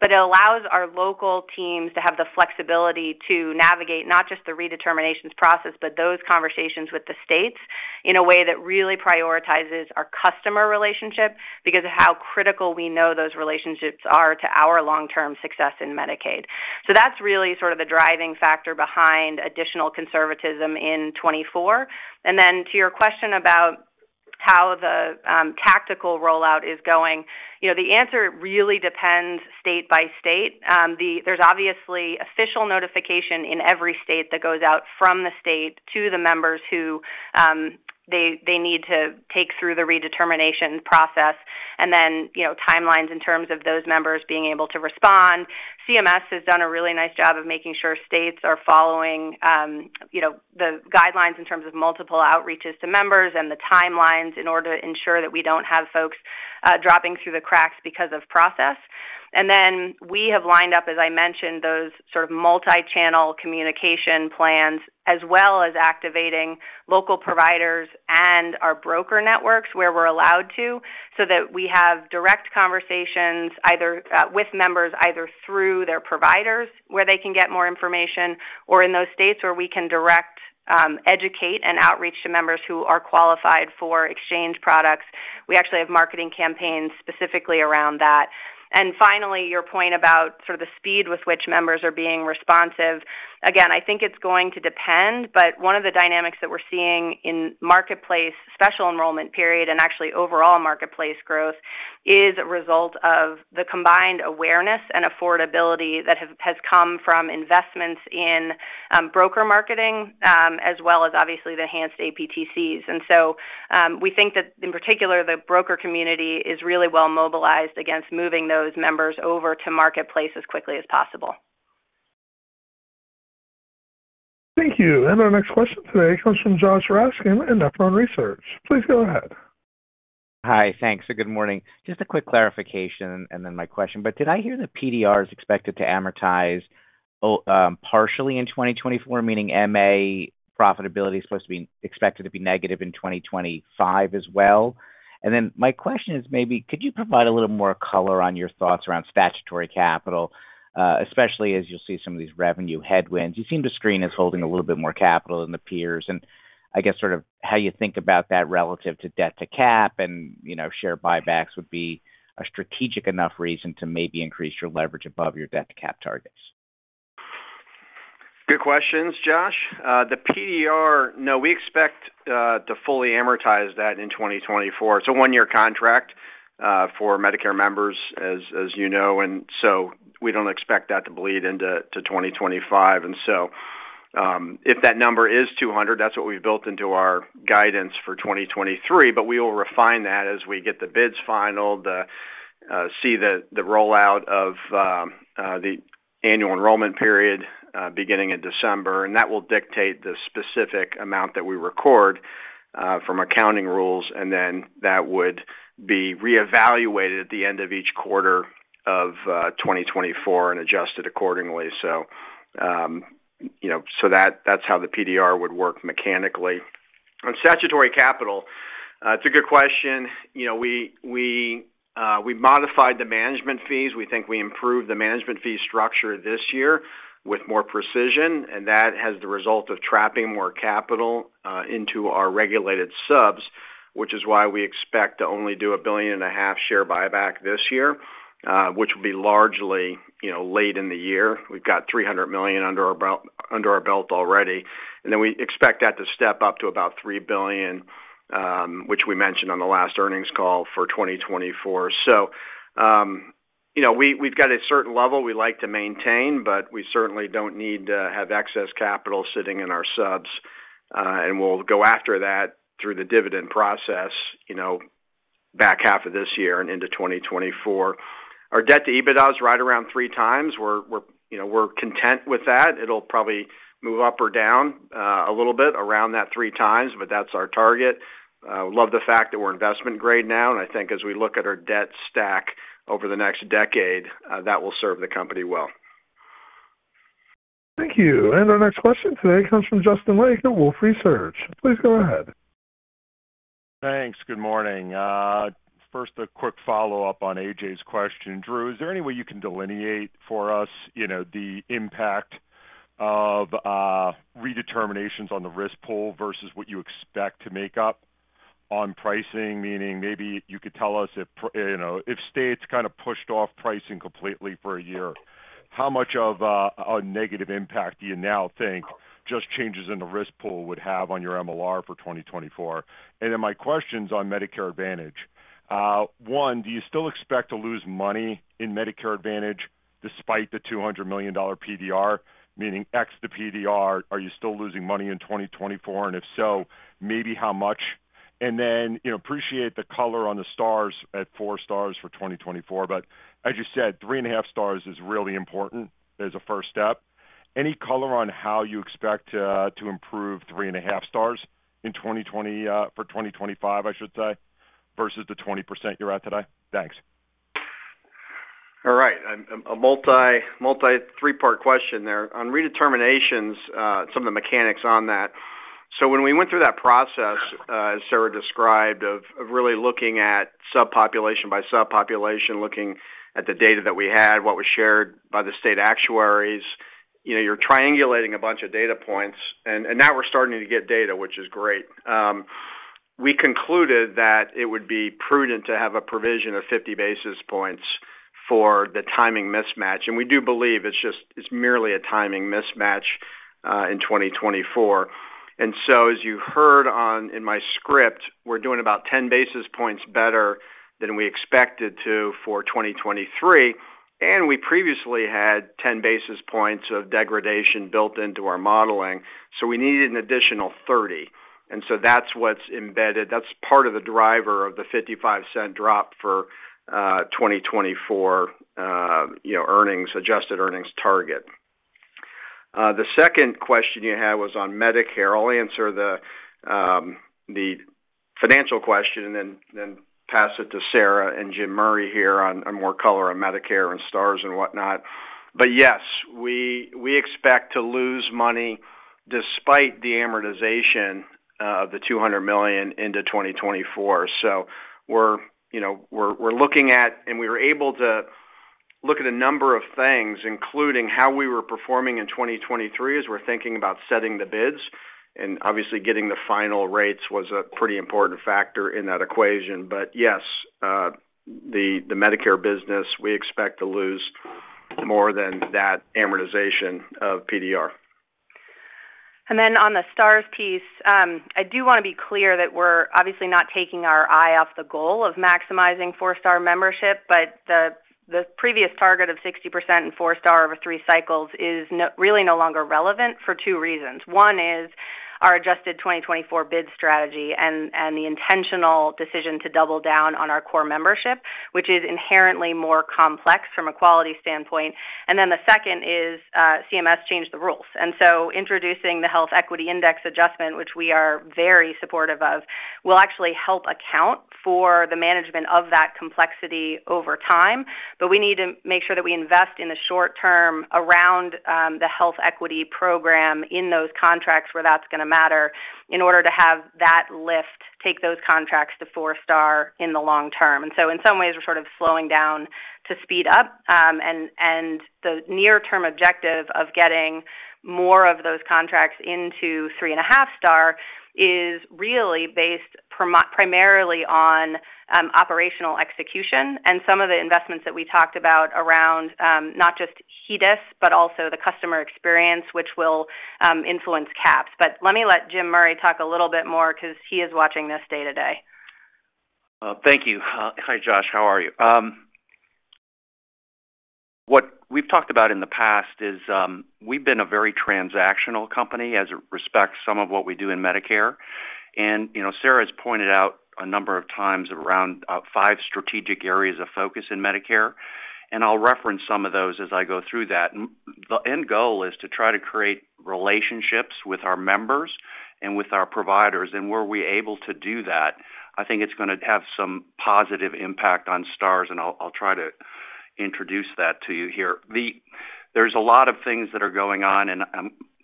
It allows our local teams to have the flexibility to navigate not just the redeterminations process, but those conversations with the states in a way that really prioritizes our customer relationship because of how critical we know those relationships are to our long-term success in Medicaid. That's really sort of the driving factor behind additional conservatism in 2024. To your question about how the tactical rollout is going, you know, the answer really depends state by state. There's obviously official notification in every state that goes out from the state to the members who they need to take through the redetermination process and then, you know, timelines in terms of those members being able to respond. CMS has done a really nice job of making sure states are following, you know, the guidelines in terms of multiple outreaches to members and the timelines in order to ensure that we don't have folks dropping through the cracks because of process. We have lined up, as I mentioned, those sort of multi-channel communication plans, as well as activating local providers and our broker networks where we're allowed to, so that we have direct conversations either with members, either through their providers, where they can get more information, or in those states where we can direct educate and outreach to members who are qualified for exchange products. We actually have marketing campaigns specifically around that. Finally, your point about sort of the speed with which members are being responsive. I think it's going to depend, but one of the dynamics that we're seeing in marketplace special enrollment period, and actually overall marketplace growth, is a result of the combined awareness and affordability that has come from investments in broker marketing, as well as obviously the enhanced APTCs. We think that in particular, the broker community is really well mobilized against moving those members over to marketplace as quickly as possible. Thank you. Our next question today comes from Josh Raskin in Nephron Research. Please go ahead. Hi. Thanks. Good morning. Did I hear the PDR is expected to amortize partially in 2024, meaning MA profitability is supposed to be expected to be negative in 2025 as well? My question is maybe could you provide a little more color on your thoughts around statutory capital, especially as you'll see some of these revenue headwinds. You seem to screen as holding a little bit more capital than the peers. I guess sort of how you think about that relative to debt to cap and, you know, share buybacks would be a strategic enough reason to maybe increase your leverage above your debt to cap targets. Good questions, Josh. The PDR, no, we expect to fully amortize that in 2024. It's a one-year contract for Medicare members, as you know, we don't expect that to bleed into 2025. If that number is 200, that's what we've built into our guidance for 2023, but we will refine that as we get the bids finaled, see the rollout of the annual enrollment period beginning in December. That will dictate the specific amount that we record from accounting rules, then that would be reevaluated at the end of each quarter of 2024 and adjusted accordingly. You know, so that's how the PDR would work mechanically. On statutory capital, it's a good question. You know, we modified the management fees. We think we improved the management fee structure this year with more precision, and that has the result of trapping more capital into our regulated subs, which is why we expect to only do a billion and a half share buyback this year, which will be largely, you know, late in the year. We've got $300 million under our belt already. We expect that to step up to about $3 billion, which we mentioned on the last earnings call for 2024. You know, we've got a certain level we like to maintain, but we certainly don't need to have excess capital sitting in our subs. We'll go after that through the dividend process, you know, back half of this year and into 2024. Our debt to EBITDA is right around 3x. We're, you know, we're content with that. It'll probably move up or down a little bit around that 3x, but that's our target. Love the fact that we're investment grade now. I think as we look at our debt stack over the next decade, that will serve the company well. Thank you. Our next question today comes from Justin Lake at Wolfe Research. Please go ahead. Thanks. Good morning. First, a quick follow-up on A.J.'s question. Drew, is there any way you can delineate for us, you know, the impact of redeterminations on the risk pool versus what you expect to make up on pricing? Meaning maybe you could tell us if you know, if states kinda pushed off pricing completely for a year, how much of a negative impact do you now think just changes in the risk pool would have on your MLR for 2024? My question's on Medicare Advantage. One, do you still expect to lose money in Medicare Advantage despite the $200 million PDR? Meaning ex the PDR, are you still losing money in 2024, and if so, maybe how much? You know, appreciate the color on the stars at four stars for 2024. As you said, three and a half stars is really important as a first step. Any color on how you expect to improve three and a half stars for 2025, I should say, versus the 20% you're at today. Thanks. All right. A multi three-part question there. On redeterminations, some of the mechanics on that. When we went through that process, as Sarah described, of really looking at subpopulation by subpopulation, looking at the data that we had, what was shared by the state actuaries, you know, you're triangulating a bunch of data points, and now we're starting to get data, which is great. We concluded that it would be prudent to have a provision of 50 basis points for the timing mismatch, and we do believe it's just, it's merely a timing mismatch in 2024. As you heard in my script, we're doing about 10 basis points better than we expected to for 2023, and we previously had 10 basis points of degradation built into our modeling, so we needed an additional 30. That's what's embedded. That's part of the driver of the $0.55 drop for 2024, you know, earnings, adjusted earnings target. The second question you had was on Medicare. I'll answer the financial question and then pass it to Sarah London and Jim Murray here on more color on Medicare and Stars and whatnot. Yes, we expect to lose money despite the amortization of the $200 million into 2024. We're, you know, looking at, and we were able to look at a number of things, including how we were performing in 2023 as we're thinking about setting the bids, and obviously getting the final rates was a pretty important factor in that equation. Yes, the Medicare business, we expect to lose more than that amortization of PDR. On the Stars piece, I do wanna be clear that we're obviously not taking our eye off the goal of maximizing four-star membership, but the previous target of 60% in four-star over three cycles is really no longer relevant for two reasons. One is our adjusted 2024 bid strategy and the intentional decision to double down on our core membership, which is inherently more complex from a quality standpoint. The second is, CMS changed the rules. Introducing the Health Equity Index adjustment, which we are very supportive of, will actually help account for the management of that complexity over time. We need to make sure that we invest in the short term around the Health Equity program in those contracts where that's gonna matter in order to have that lift, take those contracts to four-star in the long term. In some ways, we're sort of slowing down to speed up. The near term objective of getting more of those contracts into three and a half-star is really based primarily on operational execution and some of the investments that we talked about around not just HEDIS, but also the customer experience, which will influence CAHPS. Let me let Jim Murray talk a little bit more because he is watching this day to day. Thank you. Hi, Josh. How are you? What we've talked about in the past is, we've been a very transactional company as it respects some of what we do in Medicare. You know, Sarah's pointed out a number of times around five strategic areas of focus in Medicare, and I'll reference some of those as I go through that. The end goal is to try to create relationships with our members and with our providers. Were we able to do that, I think it's gonna have some positive impact on stars, and I'll try to introduce that to you here. There's a lot of things that are going on, and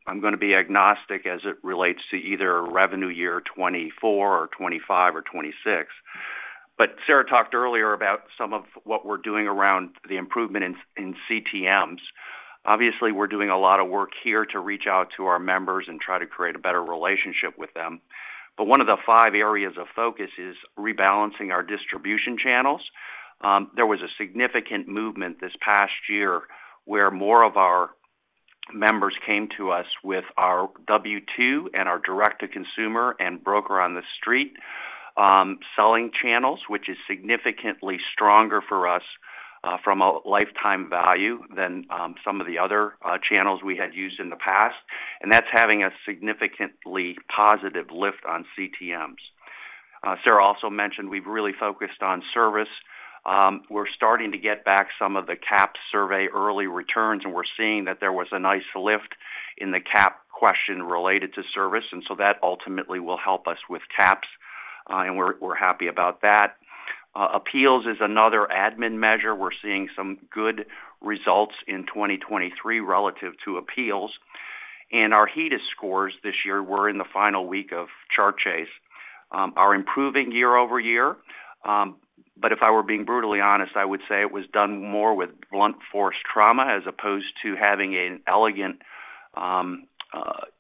I'm gonna be agnostic as it relates to either revenue year 2024 or 2025 or 2026. Sarah talked earlier about some of what we're doing around the improvement in CTMs. Obviously, we're doing a lot of work here to reach out to our members and try to create a better relationship with them. One of the five areas of focus is rebalancing our distribution channels. There was a significant movement this past year where more of our members came to us with our W-2 and our direct-to-consumer and broker-on-the-street selling channels, which is significantly stronger for us from a lifetime value than some of the other channels we had used in the past. That's having a significantly positive lift on CTMs. Sarah also mentioned we've really focused on service. We're starting to get back some of the CAHPS survey early returns, and we're seeing that there was a nice lift in the CAHPS question related to service, that ultimately will help us with CAHPS, and we're happy about that. Appeals is another admin measure. We're seeing some good results in 2023 relative to appeals. Our HEDIS scores this year were in the final week of chart chase, are improving year-over-year. If I were being brutally honest, I would say it was done more with blunt force trauma as opposed to having an elegant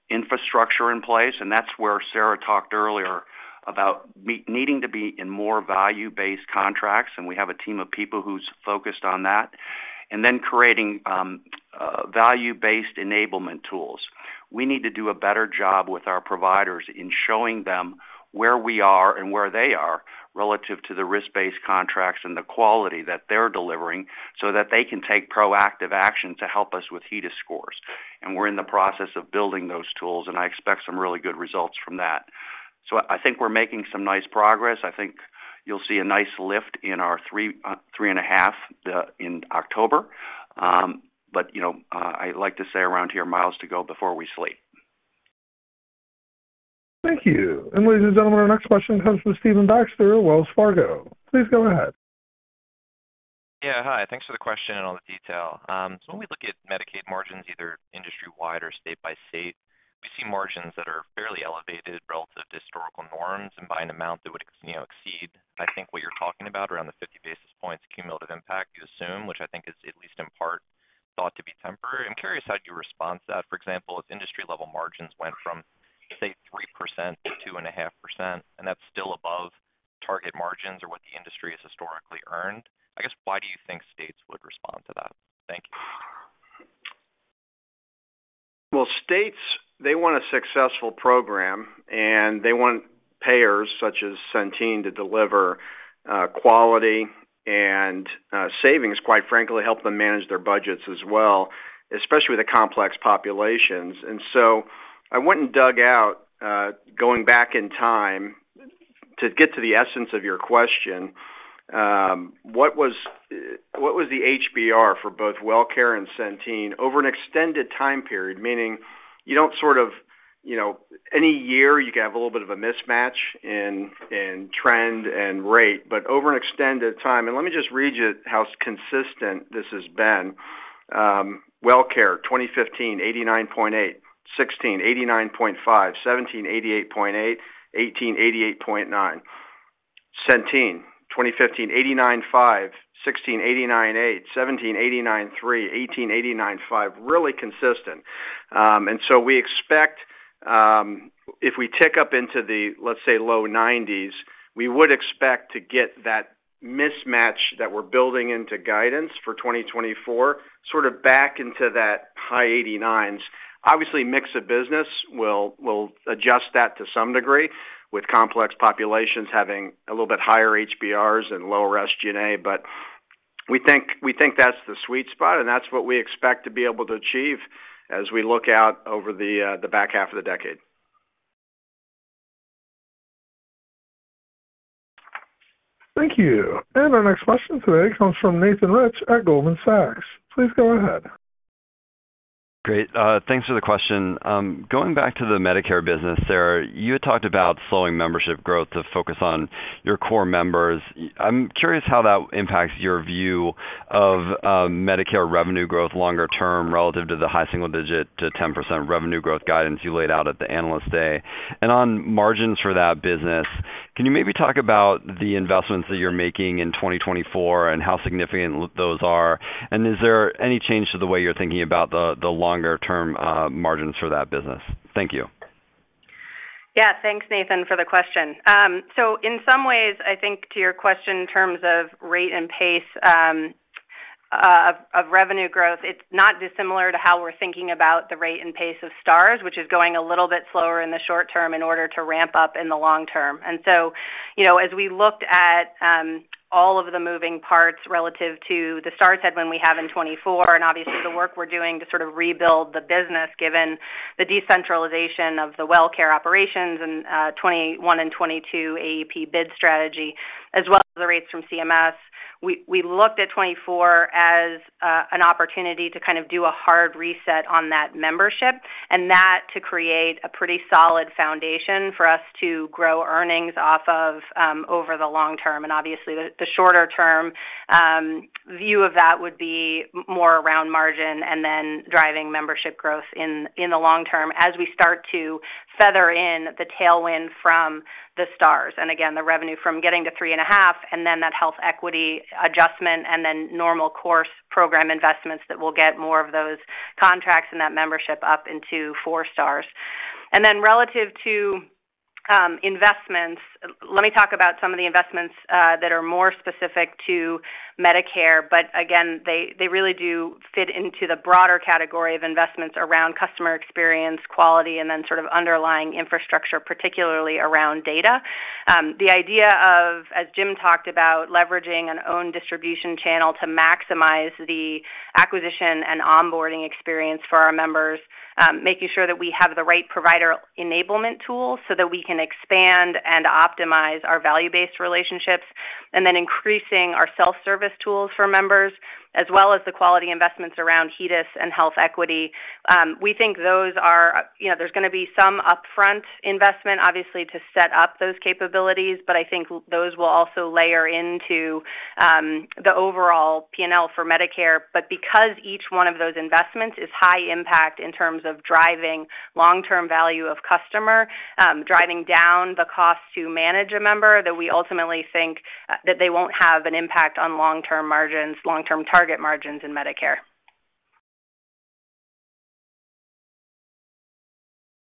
infrastructure in place. That's where Sarah talked earlier about needing to be in more value-based contracts, and we have a team of people who's focused on that. Creating value-based enablement tools. We need to do a better job with our providers in showing them where we are and where they are relative to the risk-based contracts and the quality that they're delivering so that they can take proactive action to help us with HEDIS scores. We're in the process of building those tools, and I expect some really good results from that. I think we're making some nice progress. I think you'll see a nice lift in our three and a half, in October. You know, I like to say around here, miles to go before we sleep. Thank you. Ladies and gentlemen, our next question comes from Stephen Baxter, Wells Fargo. Please go ahead. Yeah. Hi. Thanks for the question and all the detail. When we look at Medicaid margins, either industry-wide or state by state, we see margins that are fairly elevated relative to historical norms and by an amount that would, you know, exceed, I think, what you're talking about around the 50 basis points cumulative impact you assume, which I think is at least in part thought to be temporary. I'm curious how you respond to that. For example, if industry level margins went from, say, 3% to 2.5%, and that's still above target margins or what the industry has historically earned, I guess why do you think states would respond to that? Thank you. States, they want a successful program, and they want payers such as Centene to deliver quality and savings, quite frankly, help them manage their budgets as well, especially the complex populations. I went and dug out, going back in time to get to the essence of your question, what was the HBR for both WellCare and Centene over an extended time period, meaning you don't sort of, you know, any year you can have a little bit of a mismatch in trend and rate, but over an extended time. Let me just read you how consistent this has been. WellCare, 2015, 89.8%; 2016, 89.5%; 2017, 88.8%; 2018, 88.9%. Centene, 2015, 89.5%; 2016, 89.8%; 2017, 89.3%; 2018, 89.5%. Really consistent. We expect, if we tick up into the, let's say, low 90s, we would expect to get that mismatch that we're building into guidance for 2024, sort of back into that high 89s. Obviously, mix of business will adjust that to some degree, with complex populations having a little bit higher HBRs and lower SG&A. We think that's the sweet spot, and that's what we expect to be able to achieve as we look out over the back half of the decade. Thank you. Our next question today comes from Nathan Rich at Goldman Sachs. Please go ahead. Great. Thanks for the question. Going back to the Medicare business, Sarah, you had talked about slowing membership growth to focus on your core members. I'm curious how that impacts your view of Medicare revenue growth longer term relative to the high single-digit to 10% revenue growth guidance you laid out at the Investor Day. On margins for that business, can you maybe talk about the investments that you're making in 2024 and how significant those are? Is there any change to the way you're thinking about the longer term margins for that business? Thank you. Yeah. Thanks, Nathan, for the question. In some ways, I think to your question in terms of rate and pace, of revenue growth, it's not dissimilar to how we're thinking about the rate and pace of Stars, which is going a little bit slower in the short term in order to ramp up in the long term. You know, as we looked at, all of the moving parts relative to the Stars head when we have in 2024, obviously the work we're doing to sort of rebuild the business given the decentralization of the WellCare operations in 2021 and 2022 AEP bid strategy, as well as the rates from CMS, we looked at 2024 as an opportunity to kind of do a hard reset on that membership, and that to create a pretty solid foundation for us to grow earnings off of, over the long term. Obviously, the shorter term, view of that would be more around margin and then driving membership growth in the long term as we start to feather in the tailwind from the stars. Again, the revenue from getting to three and a half, and then that health equity adjustment, and then normal course program investments that will get more of those contracts and that membership up into four stars. Relative to investments, let me talk about some of the investments that are more specific to Medicare, but again, they really do fit into the broader category of investments around customer experience, quality, and then sort of underlying infrastructure, particularly around data. The idea of, as Jim talked about, leveraging an own distribution channel to maximize the acquisition and onboarding experience for our members, making sure that we have the right provider enablement tools so that we can expand and optimize our value-based relationships. Increasing our self-service tools for members, as well as the quality investments around HEDIS and health equity. We think those are, you know, there's gonna be some upfront investment, obviously, to set up those capabilities, but I think those will also layer into the overall P&L for Medicare. Because each one of those investments is high impact in terms of driving long-term value of customer, driving down the cost to manage a member, that we ultimately think that they won't have an impact on long-term margins, long-term target margins in Medicare.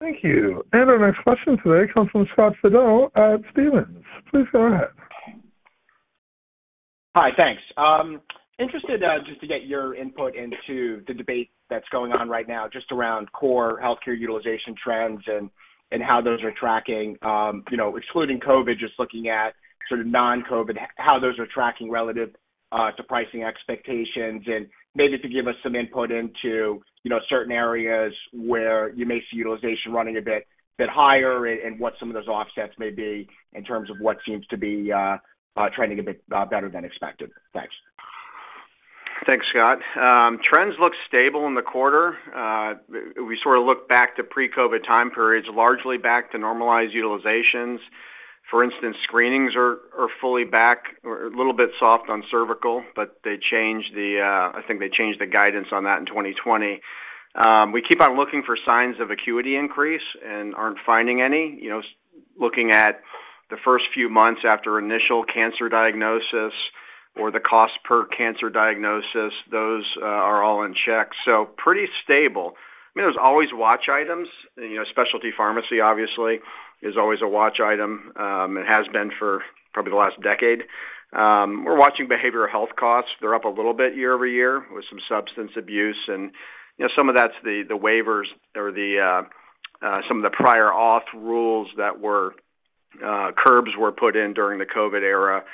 Thank you. Our next question today comes from Scott Fidel at Stephens. Please go ahead. Hi. Thanks. Interested, just to get your input into the debate that's going on right now, just around core healthcare utilization trends and how those are tracking, you know, excluding COVID, just looking at sort of non-COVID, how those are tracking relative to pricing expectations, and maybe to give us some input into, you know, certain areas where you may see utilization running a bit higher and what some of those offsets may be in terms of what seems to be trending a bit better than expected. Thanks. Thanks, Scott. Trends look stable in the quarter. We sort of look back to pre-COVID time periods, largely back to normalized utilizations. For instance, screenings are fully back. A little bit soft on cervical. They changed the, I think they changed the guidance on that in 2020. We keep on looking for signs of acuity increase and aren't finding any. You know, looking at the first few months after initial cancer diagnosis or the cost per cancer diagnosis, those are all in check, pretty stable. I mean, there's always watch items. You know, specialty pharmacy obviously is always a watch item and has been for probably the last decade. We're watching behavioral health costs. They're up a little bit year-over-year with some substance abuse. you know, some of that's the waivers or some of the prior auth rules that were curbs were put in during the COVID era.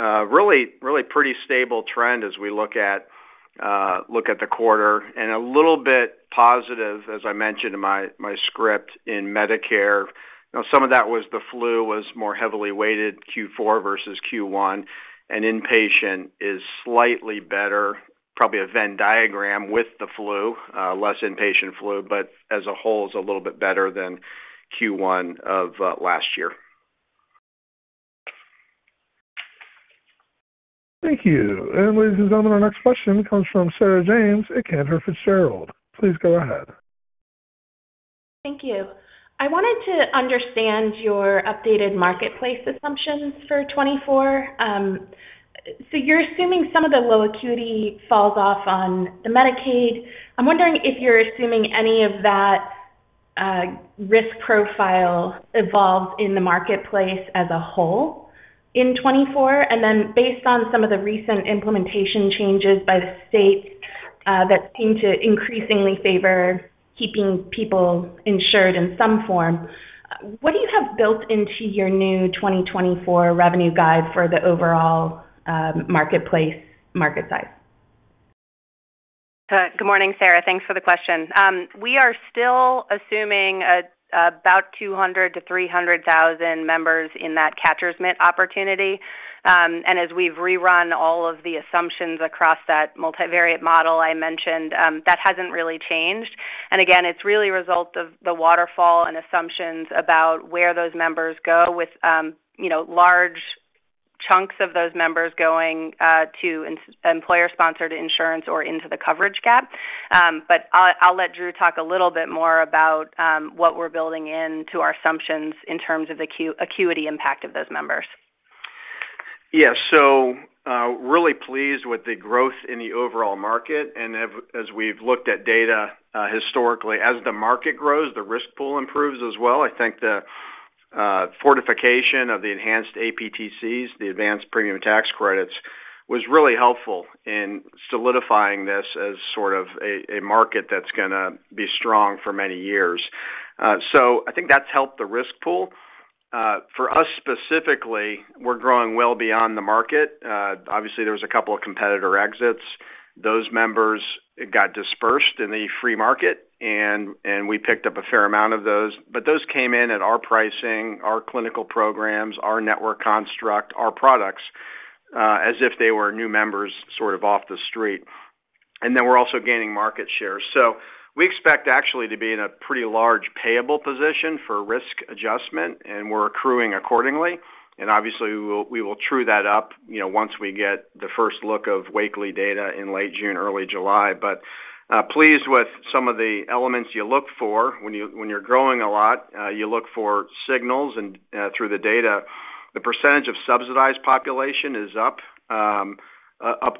really, really pretty stable trend as we look at the quarter and a little bit positive, as I mentioned in my script in Medicare. You know, some of that was the flu was more heavily weighted Q4 versus Q1, and inpatient is slightly better, probably a Venn diagram with the flu, less inpatient flu, but as a whole is a little bit better than Q1 of last year. Thank you. Ladies and gentlemen, our next question comes from Sarah James at Cantor Fitzgerald. Please go ahead. Thank you. I wanted to understand your updated marketplace assumptions for 2024. So you're assuming some of the low acuity falls off on the Medicaid. I'm wondering if you're assuming any of that risk profile evolves in the marketplace as a whole in 2024. Then based on some of the recent implementation changes by the state, that seem to increasingly favor keeping people insured in some form, what do you have built into your new 2024 revenue guide for the overall marketplace market size? Good morning, Sarah. Thanks for the question. We are still assuming about 200,000-300,000 members in that catcher's mitt opportunity. As we've rerun all of the assumptions across that multivariate model I mentioned, that hasn't really changed. Again, it's really a result of the waterfall and assumptions about where those members go with, you know, large chunks of those members going to employer-sponsored insurance or into the coverage gap. I'll let Drew talk a little bit more about what we're building into our assumptions in terms of acuity impact of those members. Really pleased with the growth in the overall market. As we've looked at data, historically, as the market grows, the risk pool improves as well. I think the fortification of the enhanced APTCs, the advanced premium tax credits, was really helpful in solidifying this as sort of a market that's gonna be strong for many years. I think that's helped the risk pool. For us specifically, we're growing well beyond the market. Obviously, there was a couple of competitor exits. Those members got dispersed in the free market, and we picked up a fair amount of those. But those came in at our pricing, our clinical programs, our network construct, our products, as if they were new members sort of off the street. Then we're also gaining market share. We expect actually to be in a pretty large payable position for risk adjustment, and we're accruing accordingly. Obviously, we will, we will true that up, you know, once we get the first look of Wakely data in late June, early July. Pleased with some of the elements you look for when you're growing a lot, you look for signals and through the data. The percentage of subsidized population is up 3%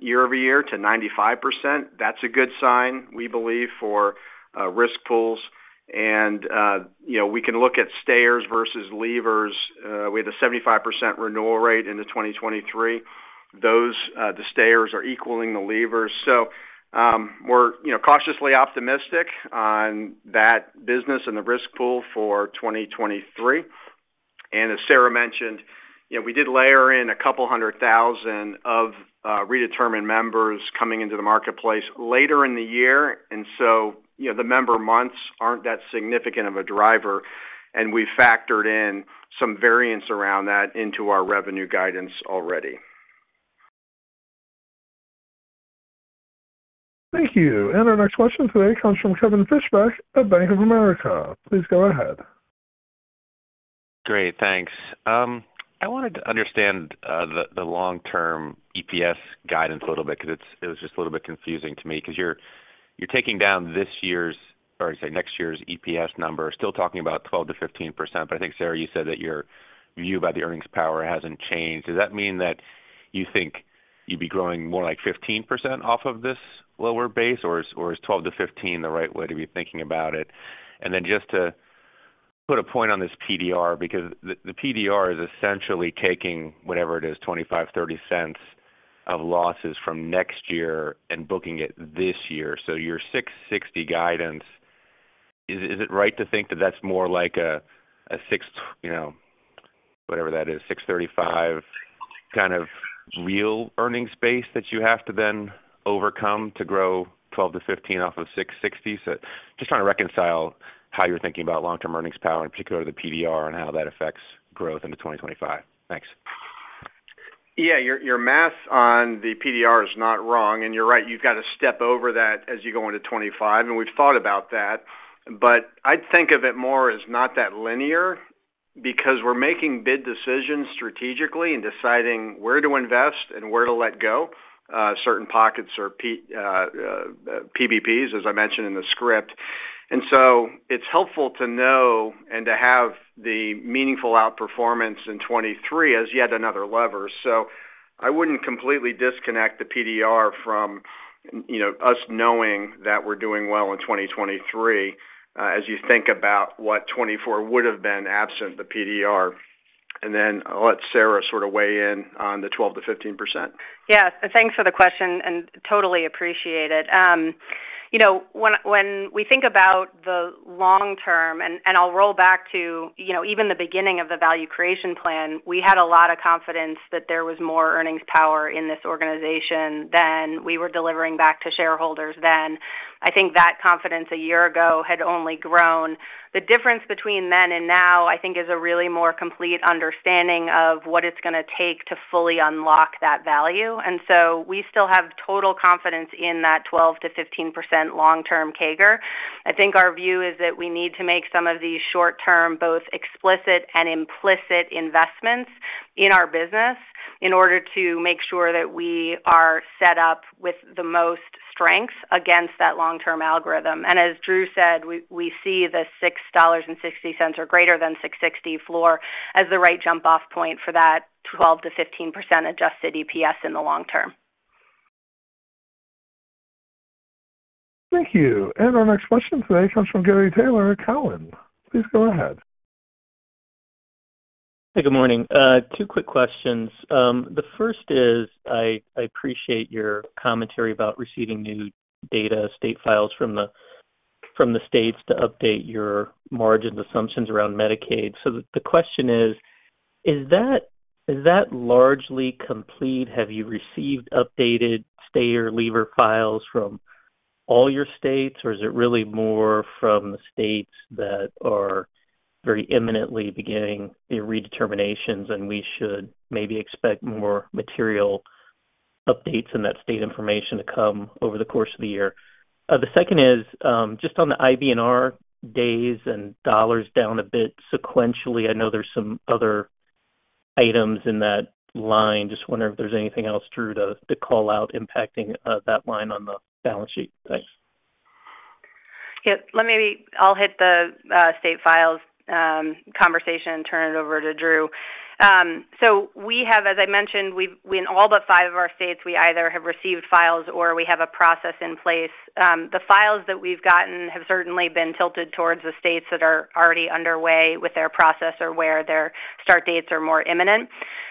year-over-year to 95%. That's a good sign, we believe, for risk pools. You know, we can look at stayers versus leavers. We had a 75% renewal rate into 2023. Those, the stayers are equaling the leavers. We're, you know, cautiously optimistic on that business and the risk pool for 2023. As Sarah mentioned, you know, we did layer in 200,000 of redetermined members coming into the marketplace later in the year. You know, the member months aren't that significant of a driver, and we factored in some variance around that into our revenue guidance already. Thank you. Our next question today comes from Kevin Fischbeck at Bank of America. Please go ahead. Great, thanks. I wanted to understand the long-term EPS guidance a little bit because it's, it was just a little bit confusing to me because you're taking down this year's or say next year's EPS number. Still talking about 12%-15%, but I think, Sarah, you said that your view about the earnings power hasn't changed. Does that mean that you think you'd be growing more like 15% off of this lower base, or is 12 to 15 the right way to be thinking about it? Then just to put a point on this PDR, because the PDR is essentially taking whatever it is, $0.25, $0.30 of losses from next year and booking it this year. Your $6.60 guidance, is it right to think that that's more like a $6.35 kind of real earnings base that you have to then overcome to grow 12% to 15% off of $6.60? Just trying to reconcile how you're thinking about long-term earnings power, in particular the PDR and how that affects growth into 2025. Thanks. Yeah. Your math on the PDR is not wrong. You're right, you've got to step over that as you go into 2025, and we've thought about that. I'd think of it more as not that linear because we're making bid decisions strategically and deciding where to invest and where to let go, certain pockets or PBPs, as I mentioned in the script. It's helpful to know and to have the meaningful outperformance in 2023 as yet another lever. I wouldn't completely disconnect the PDR from, you know, us knowing that we're doing well in 2023, as you think about what 2024 would have been absent the PDR. I'll let Sarah sort of weigh in on the 12%-15%. Yeah. Thanks for the question and totally appreciate it. you know, when we think about the long term, and I'll roll back to, you know, even the beginning of the value creation plan, we had a lot of confidence that there was more earnings power in this organization than we were delivering back to shareholders then. I think that confidence a year ago had only grown. The difference between then and now, I think, is a really more complete understanding of what it's gonna take to fully unlock that value. We still have total confidence in that 12%-15% long-term CAGR. I think our view is that we need to make some of these short term, both explicit and implicit investments in our business in order to make sure that we are set up with the most strength against that long-term algorithm. As Drew said, we see the $6.60 or greater than $6.60 floor as the right jump off point for that 12%-15% adjusted EPS in the long term. Thank you. Our next question today comes from Gary Taylor at Cowen. Please go ahead. Hey, good morning. two quick questions. The first is, I appreciate your commentary about receiving new data state files from the states to update your margins assumptions around Medicaid. The question is that largely complete? Have you received updated stayer leaver files from all your states, or is it really more from the states that are very imminently beginning the redeterminations, and we should maybe expect more material updates in that state information to come over the course of the year? The second is, just on the IBNR days and dollars down a bit sequentially. I know there's some other items in that line. Just wondering if there's anything else, Drew, to call out impacting that line on the balance sheet? Thanks. Yeah. I'll hit the state files conversation and turn it over to Drew. We have as I mentioned, in all but five of our states, we either have received files or we have a process in place. The files that we've gotten have certainly been tilted towards the states that are already underway with their process or where their start dates are more imminent.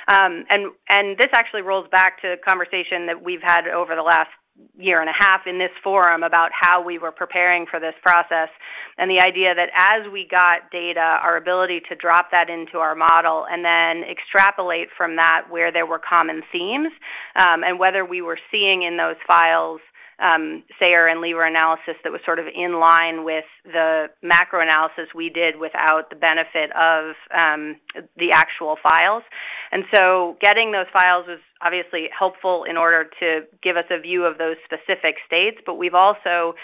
This actually rolls back to conversation that we've had over the last year and a half in this forum about how we were preparing for this process, and the idea that as we got data, our ability to drop that into our model and then extrapolate from that where there were common themes, and whether we were seeing in those files, sayer and lever analysis that was sort of in line with the macro analysis we did without the benefit of the actual files. Getting those files was obviously helpful in order to give us a view of those specific states. We've also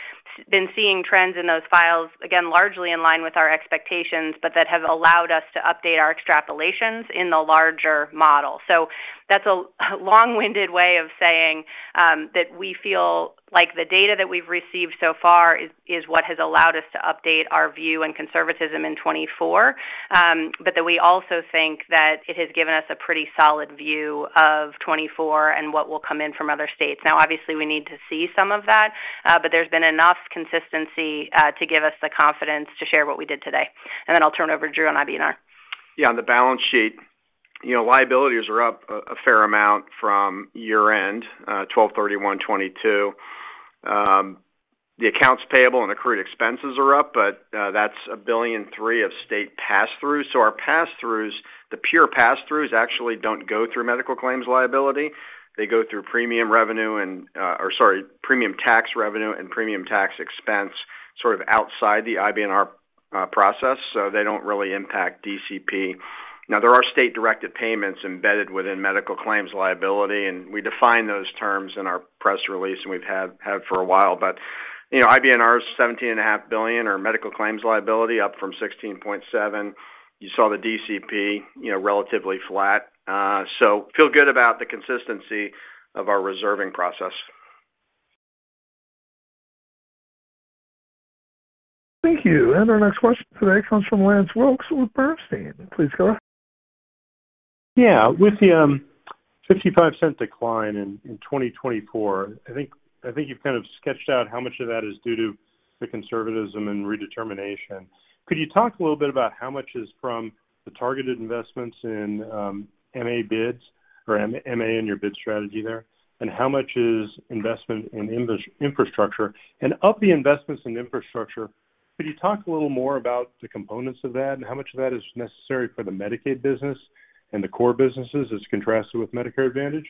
been seeing trends in those files, again, largely in line with our expectations, but that have allowed us to update our extrapolations in the larger model. That's a long-winded way of saying, that we feel like the data that we've received so far is what has allowed us to update our view and conservatism in 2024. That we also think that it has given us a pretty solid view of 2024 and what will come in from other states. Obviously we need to see some of that, but there's been enough consistency, to give us the confidence to share what we did today. Then I'll turn over to Drew on IBNR. Yeah. On the balance sheet, you know, liabilities are up a fair amount from year-end 12/31/2022. The accounts payable and accrued expenses are up, that's $1.3 billion of state pass-throughs. Our pass-throughs, the pure pass-throughs actually don't go through medical claims liability. They go through premium revenue and or sorry, premium tax revenue and premium tax expense, sort of outside the IBNR process, they don't really impact DCP. There are state-directed payments embedded within medical claims liability, we define those terms in our press release, we've had for a while. You know, IBNR is $17.5 billion, our medical claims liability up from $16.7 billion. You saw the DCP, you know, relatively flat. Feel good about the consistency of our reserving process. Thank you. Our next question today comes from Lance Wilkes with Bernstein. Please go ahead. Yeah. With the $0.55 decline in 2024, I think you've kind of sketched out how much of that is due to the conservatism and redetermination. Could you talk a little bit about how much is from the targeted investments in MA bids or MA and your bid strategy there, and how much is investment in infrastructure? Of the investments in infrastructure, could you talk a little more about the components of that and how much of that is necessary for the Medicaid business and the core businesses as contrasted with Medicare Advantage?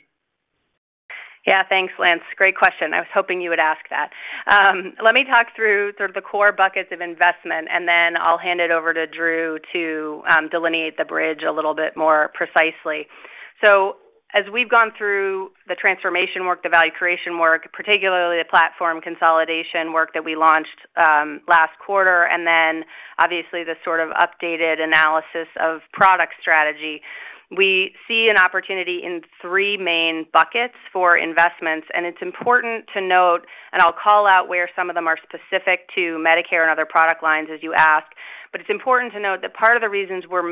Yeah, thanks, Lance. Great question. I was hoping you would ask that. Let me talk through sort of the core buckets of investment, then I'll hand it over to Drew to delineate the bridge a little bit more precisely. As we've gone through the transformation work, the value creation work, particularly the platform consolidation work that we launched last quarter, obviously the sort of updated analysis of product strategy, we see an opportunity in three main buckets for investments. It's important to note, I'll call out where some of them are specific to Medicare and other product lines as you ask, it's important to note that part of the reasons we're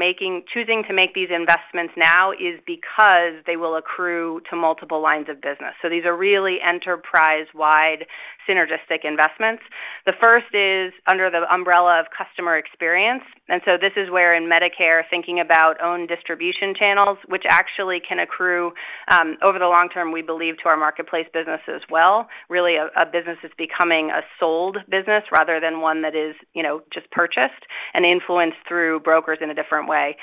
choosing to make these investments now is because they will accrue to multiple lines of business. These are really enterprise-wide synergistic investments. The first is under the umbrella of customer experience. This is where in Medicare, thinking about own distribution channels, which actually can accrue over the long term, we believe to our marketplace business as well, really a business that's becoming a sold business rather than one that is, you know, just purchased and influenced through brokers in a different way.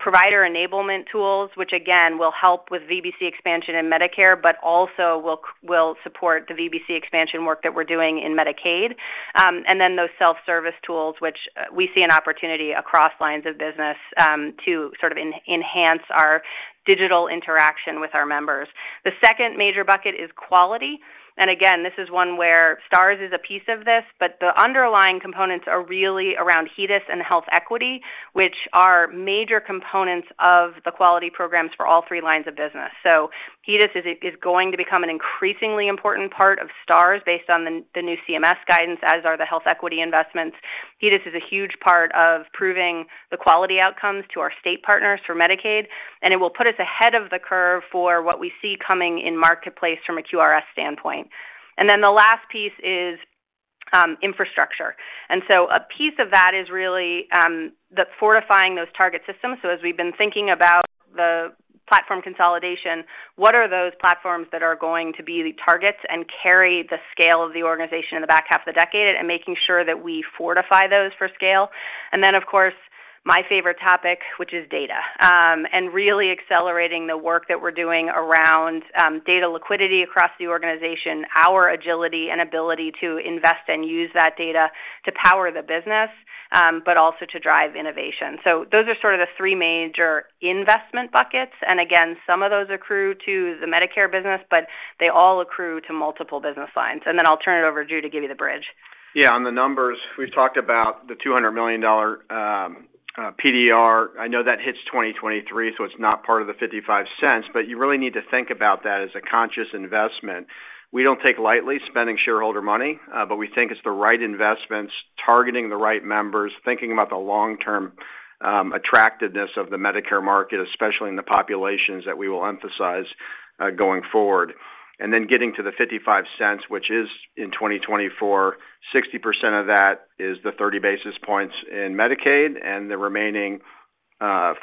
Provider enablement tools, which again will help with VBC expansion in Medicare, but also will support the VBC expansion work that we're doing in Medicaid. Those self-service tools, which we see an opportunity across lines of business to sort of enhance our digital interaction with our members. The second major bucket is quality. Again, this is one where Stars is a piece of this, but the underlying components are really around HEDIS and health equity, which are major components of the quality programs for all three lines of business. HEDIS is going to become an increasingly important part of Stars based on the new CMS guidance, as are the health equity investments. HEDIS is a huge part of proving the quality outcomes to our state partners for Medicaid, and it will put us ahead of the curve for what we see coming in marketplace from a QRS standpoint. The last piece is infrastructure. A piece of that is really the fortifying those target systems. As we've been thinking about the platform consolidation, what are those platforms that are going to be the targets and carry the scale of the organization in the back half of the decade, and making sure that we fortify those for scale. Then of course, my favorite topic, which is data, and really accelerating the work that we're doing around data liquidity across the organization, our agility and ability to invest and use that data to power the business, but also to drive innovation. Those are sort of the three major investment buckets. Again, some of those accrue to the Medicare business, but they all accrue to multiple business lines. Then I'll turn it over to Drew to give you the bridge. On the numbers, we've talked about the $200 million PDR. I know that hits 2023, so it's not part of the $0.55, but you really need to think about that as a conscious investment. We don't take lightly spending shareholder money, but we think it's the right investments, targeting the right members, thinking about the long-term attractiveness of the Medicare market, especially in the populations that we will emphasize going forward. Getting to the $0.55, which is in 2024, 60% of that is the 30 basis points in Medicaid, and the remaining 40%,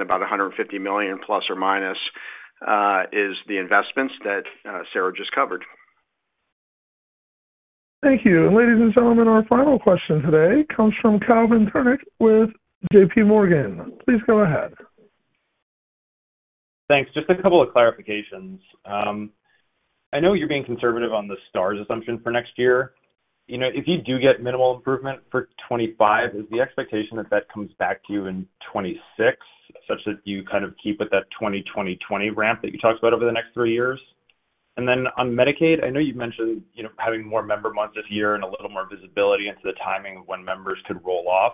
about $150 million ±, is the investments that Sarah just covered. Thank you. Ladies and gentlemen, our final question today comes from Calvin Sternick with JPMorgan. Please go ahead. Thanks. Just a couple of clarifications. I know you're being conservative on the Stars assumption for next year. You know, if you do get minimal improvement for 2025, is the expectation that that comes back to you in 2026, such that you kind of keep with that 20-20-20 ramp that you talked about over the next three years? On Medicaid, I know you've mentioned, you know, having more member months this year and a little more visibility into the timing of when members could roll off.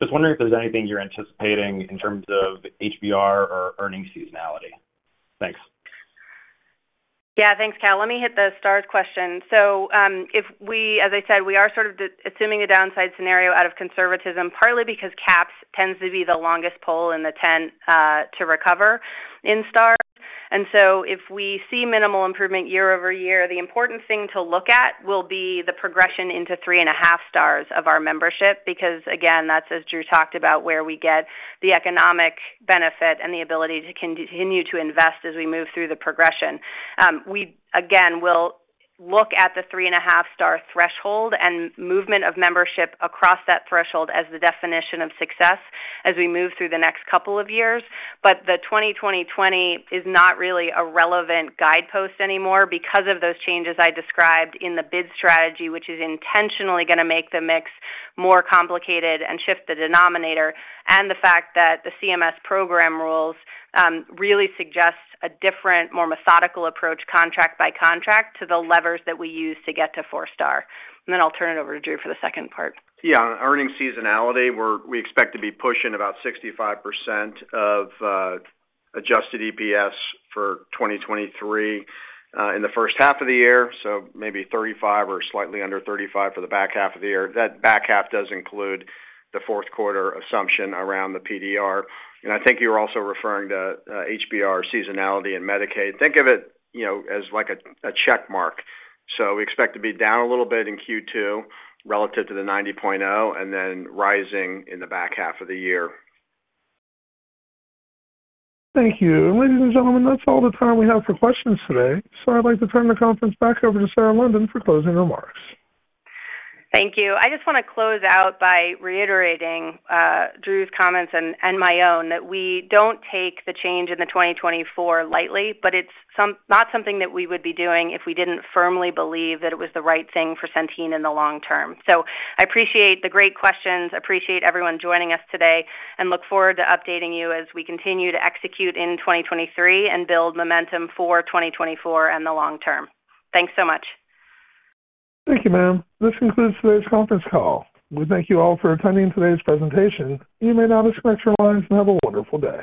Just wondering if there's anything you're anticipating in terms of HBR or earnings seasonality. Thanks. Yeah. Thanks, Cal. Let me hit the Stars question. As I said, we are sort of assuming a downside scenario out of conservatism, partly because CAHPS tends to be the longest pole in the tent to recover in Stars. If we see minimal improvement year-over-year, the important thing to look at will be the progression into three and a half stars of our membership, because again, that's as Drew talked about, where we get the economic benefit and the ability to continue to invest as we move through the progression. We again, will look at the three and a half star threshold and movement of membership across that threshold as the definition of success as we move through the next couple of years. The 20-20-20 is not really a relevant guidepost anymore because of those changes I described in the bid strategy, which is intentionally gonna make the mix more complicated and shift the denominator, and the fact that the CMS program rules really suggests a different, more methodical approach, contract by contract, to the levers that we use to get to four-star. Then I'll turn it over to Drew for the second part. Yeah. On earnings seasonality, we expect to be pushing about 65% of adjusted EPS for 2023 in the first half of the year, maybe 35% or slightly under 35% for the back half of the year. That back half does include the fourth quarter assumption around the PDR. I think you're also referring to HBR seasonality in Medicaid. Think of it, you know, as like a check mark. We expect to be down a little bit in Q2 relative to the 90.0, and then rising in the back half of the year. Thank you. Ladies and gentlemen, that's all the time we have for questions today, so I'd like to turn the conference back over to Sarah London for closing remarks. Thank you. I just wanna close out by reiterating, Drew's comments and my own, that we don't take the change in the 2024 lightly, but it's not something that we would be doing if we didn't firmly believe that it was the right thing for Centene in the long term. I appreciate the great questions, appreciate everyone joining us today, and look forward to updating you as we continue to execute in 2023 and build momentum for 2024 and the long term. Thanks so much. Thank you, ma'am. This concludes today's conference call. We thank you all for attending today's presentation. You may now disconnect your lines and have a wonderful day.